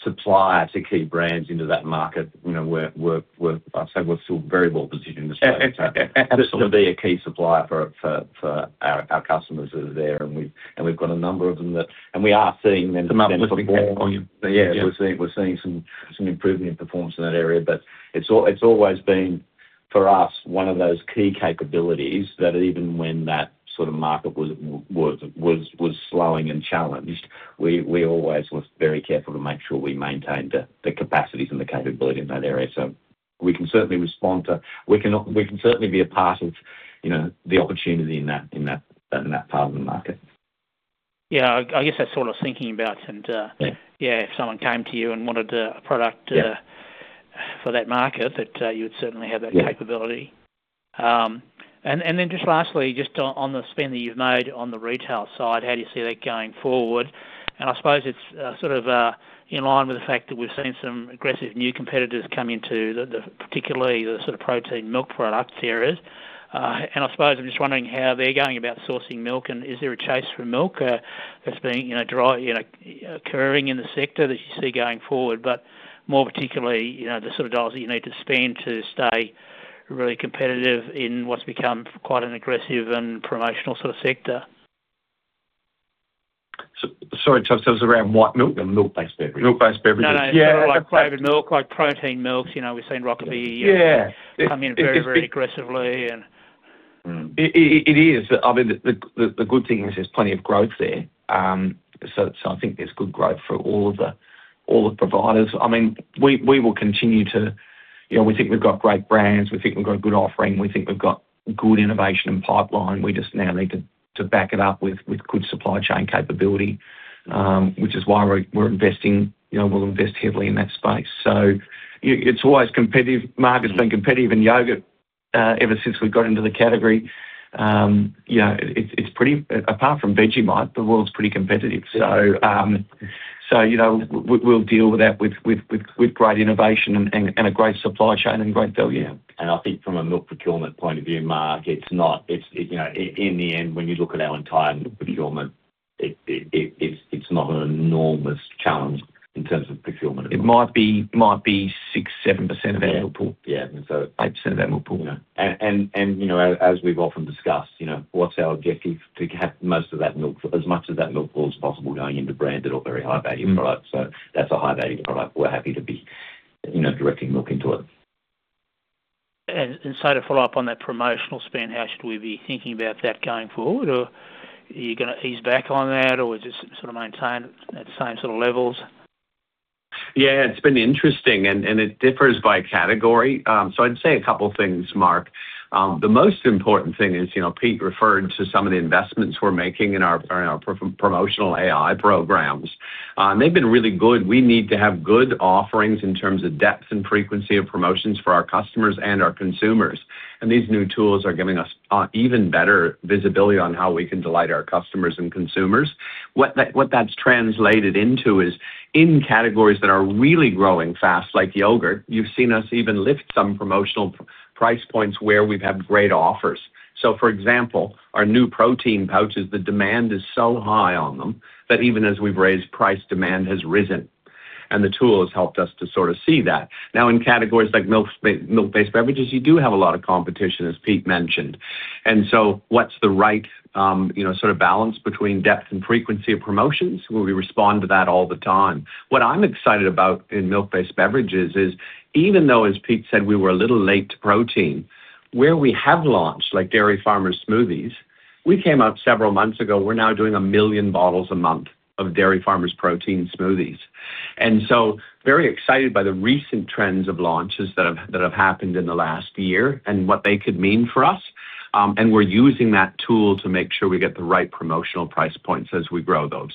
supplier to key brands into that market. You know, we're, I'd say we're still very well positioned- Absolutely. To be a key supplier for our customers who are there, and we've got a number of them that... And we are seeing them- Come up with more volume. Yeah, we're seeing some improvement in performance in that area, but it's always been, for us, one of those key capabilities that even when that sort of market was slowing and challenged, we always were very careful to make sure we maintained the capacities and the capability in that area. So we can certainly respond to... We can certainly be a part of, you know, the opportunity in that part of the market. Yeah, I guess that's what I was thinking about, and Yeah yeah, if someone came to you and wanted a product- Yeah for that market, that, you would certainly have that capability. And then just lastly, just on the spend that you've made on the retail side, how do you see that going forward? And I suppose it's sort of in line with the fact that we've seen some aggressive new competitors come into the, particularly the sort of protein milk product areas. And I suppose I'm just wondering how they're going about sourcing milk, and is there a chase for milk that's being, you know, dry, you know, occurring in the sector that you see going forward, but more particularly, you know, the sort of dollars that you need to spend to stay really competitive in what's become quite an aggressive and promotional sort of sector. Sorry, Topy, so around white milk or milk-based beverages? Milk-based beverages. No, no. Yeah. Like flavored milk, like protein milks. You know, we've seen Rokeby- Yeah come in very, very aggressively, and- It is. I mean, the good thing is there's plenty of growth there. So I think there's good growth for all the providers. I mean, we will continue to... You know, we think we've got great brands, we think we've got a good offering, we think we've got good innovation and pipeline. We just now need to back it up with good supply chain capability, which is why we're investing, you know, we'll invest heavily in that space. So it's always competitive. Market's been competitive in yogurt ever since we got into the category. You know, it's pretty, apart from Vegemite, the world's pretty competitive. So, you know, we will deal with that with great innovation and a great supply chain and great value. Yeah. I think from a milk procurement point of view, Mark, it's not, you know, in the end, when you look at our entire milk procurement, it's not an enormous challenge in terms of procurement. It might be, it might be 6%-7% of our milk pool. Yeah, and so- 8% of our milk pool. Yeah. And you know, as we've often discussed, you know, what's our objective? To have most of that milk, as much of that milk pool as possible going into branded or very high-value products. Mm. That's a high-value product. We're happy to be, you know, directing milk into it. So, to follow up on that promotional spend, how should we be thinking about that going forward, or are you gonna ease back on that, or just sort of maintain at the same sort of levels? Yeah, it's been interesting, and it differs by category. So I'd say a couple of things, Mark. The most important thing is, you know, Pete referred to some of the investments we're making in our promotional AI programs. And they've been really good. We need to have good offerings in terms of depth and frequency of promotions for our customers and our consumers, and these new tools are giving us even better visibility on how we can delight our customers and consumers. What that's translated into is in categories that are really growing fast, like yogurt, you've seen us even lift some promotional price points where we've had great offers. So for example, our new protein pouches, the demand is so high on them that even as we've raised price, demand has risen, and the tool has helped us to sort of see that. Now, in categories like milk, milk-based beverages, you do have a lot of competition, as Pete mentioned. And so what's the right, you know, sort of balance between depth and frequency of promotions, where we respond to that all the time? What I'm excited about in milk-based beverages is, even though, as Pete said, we were a little late to protein, where we have launched, like Dairy Farmers Smoothies, we came out several months ago. We're now doing 1 million bottles a month of Dairy Farmers Protein Smoothies. And so very excited by the recent trends of launches that have, that have happened in the last year and what they could mean for us. We're using that tool to make sure we get the right promotional price points as we grow those.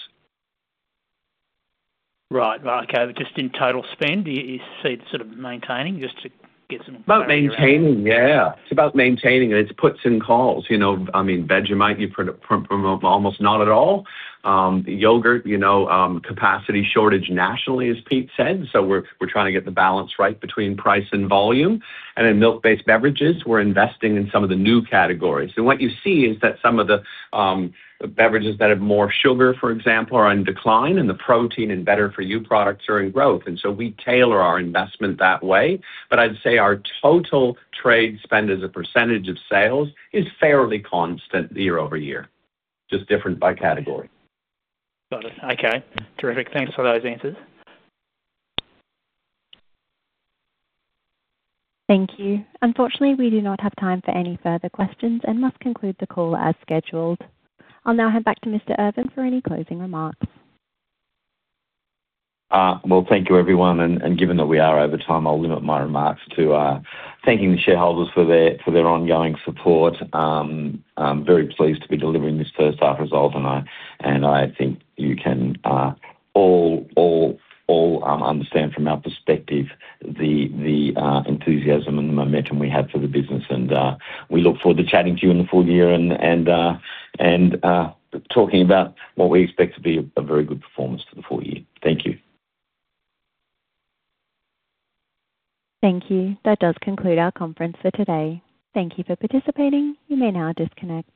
Right. Okay. Just in total spend, do you see it sort of maintaining, just to get some- About maintaining, yeah. It's about maintaining, and it's puts and calls, you know. I mean, Vegemite, you promote almost not at all. Yogurt, you know, capacity shortage nationally, as Pete said, so we're, we're trying to get the balance right between price and volume. And in milk-based beverages, we're investing in some of the new categories. So what you see is that some of the beverages that have more sugar, for example, are on decline, and the protein and better for you products are in growth. And so we tailor our investment that way. But I'd say our total trade spend as a percentage of sales is fairly constant year-over-year, just different by category. Got it. Okay, terrific. Thanks for those answers. Thank you. Unfortunately, we do not have time for any further questions and must conclude the call as scheduled. I'll now hand back to Mr. Irvin for any closing remarks. Well, thank you, everyone, and given that we are over time, I'll limit my remarks to thanking the shareholders for their ongoing support. I'm very pleased to be delivering this first half result, and I think you can all understand from our perspective the enthusiasm and the momentum we have for the business. We look forward to chatting to you in the full year and talking about what we expect to be a very good performance for the full year. Thank you. Thank you. That does conclude our conference for today. Thank you for participating. You may now disconnect.